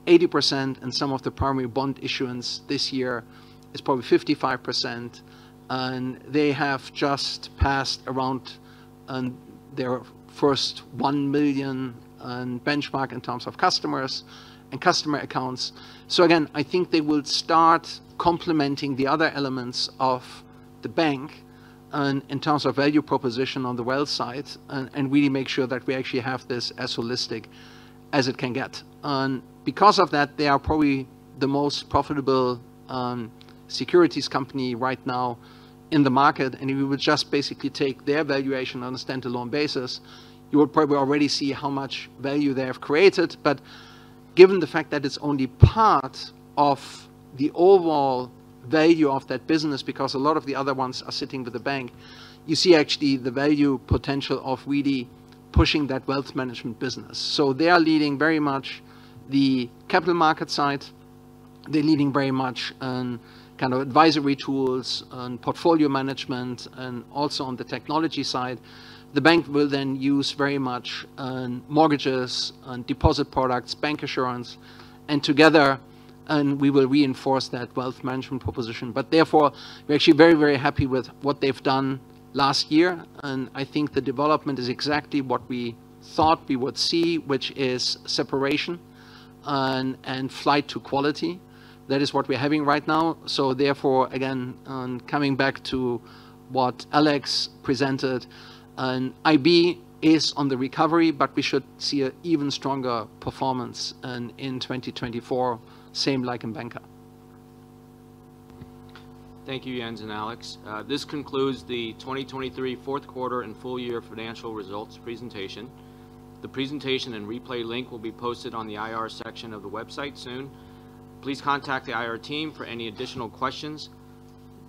80%, and some of the primary bond issuance this year is probably 55%. They have just passed around their first 1 million benchmark in terms of customers and customer accounts. Again, I think they will start complementing the other elements of the bank in terms of value proposition on the wealth side, and really make sure that we actually have this as holistic as it can get. Because of that, they are probably the most profitable securities company right now in the market, and if we would just basically take their valuation on a stand-alone basis, you will probably already see how much value they have created. But given the fact that it's only part of the overall value of that business, because a lot of the other ones are sitting with the bank, you see actually the value potential of really pushing that wealth management business. So they are leading very much the capital market side. They're leading very much on kind of advisory tools and portfolio management, and also on the technology side. The bank will then use very much on mortgages, on deposit products, bancassurance, and together, we will reinforce that wealth management proposition. But therefore, we're actually very, very happy with what they've done last year, and I think the development is exactly what we thought we would see, which is separation and, and flight to quality. That is what we're having right now. Therefore, again, coming back to what Alex presented, IB is on the recovery, but we should see an even stronger performance in 2024, same like in Banka. Thank you, Jens and Alex. This concludes the 2023 fourth quarter and full year financial results presentation. The presentation and replay link will be posted on the IR section of the website soon. Please contact the IR team for any additional questions.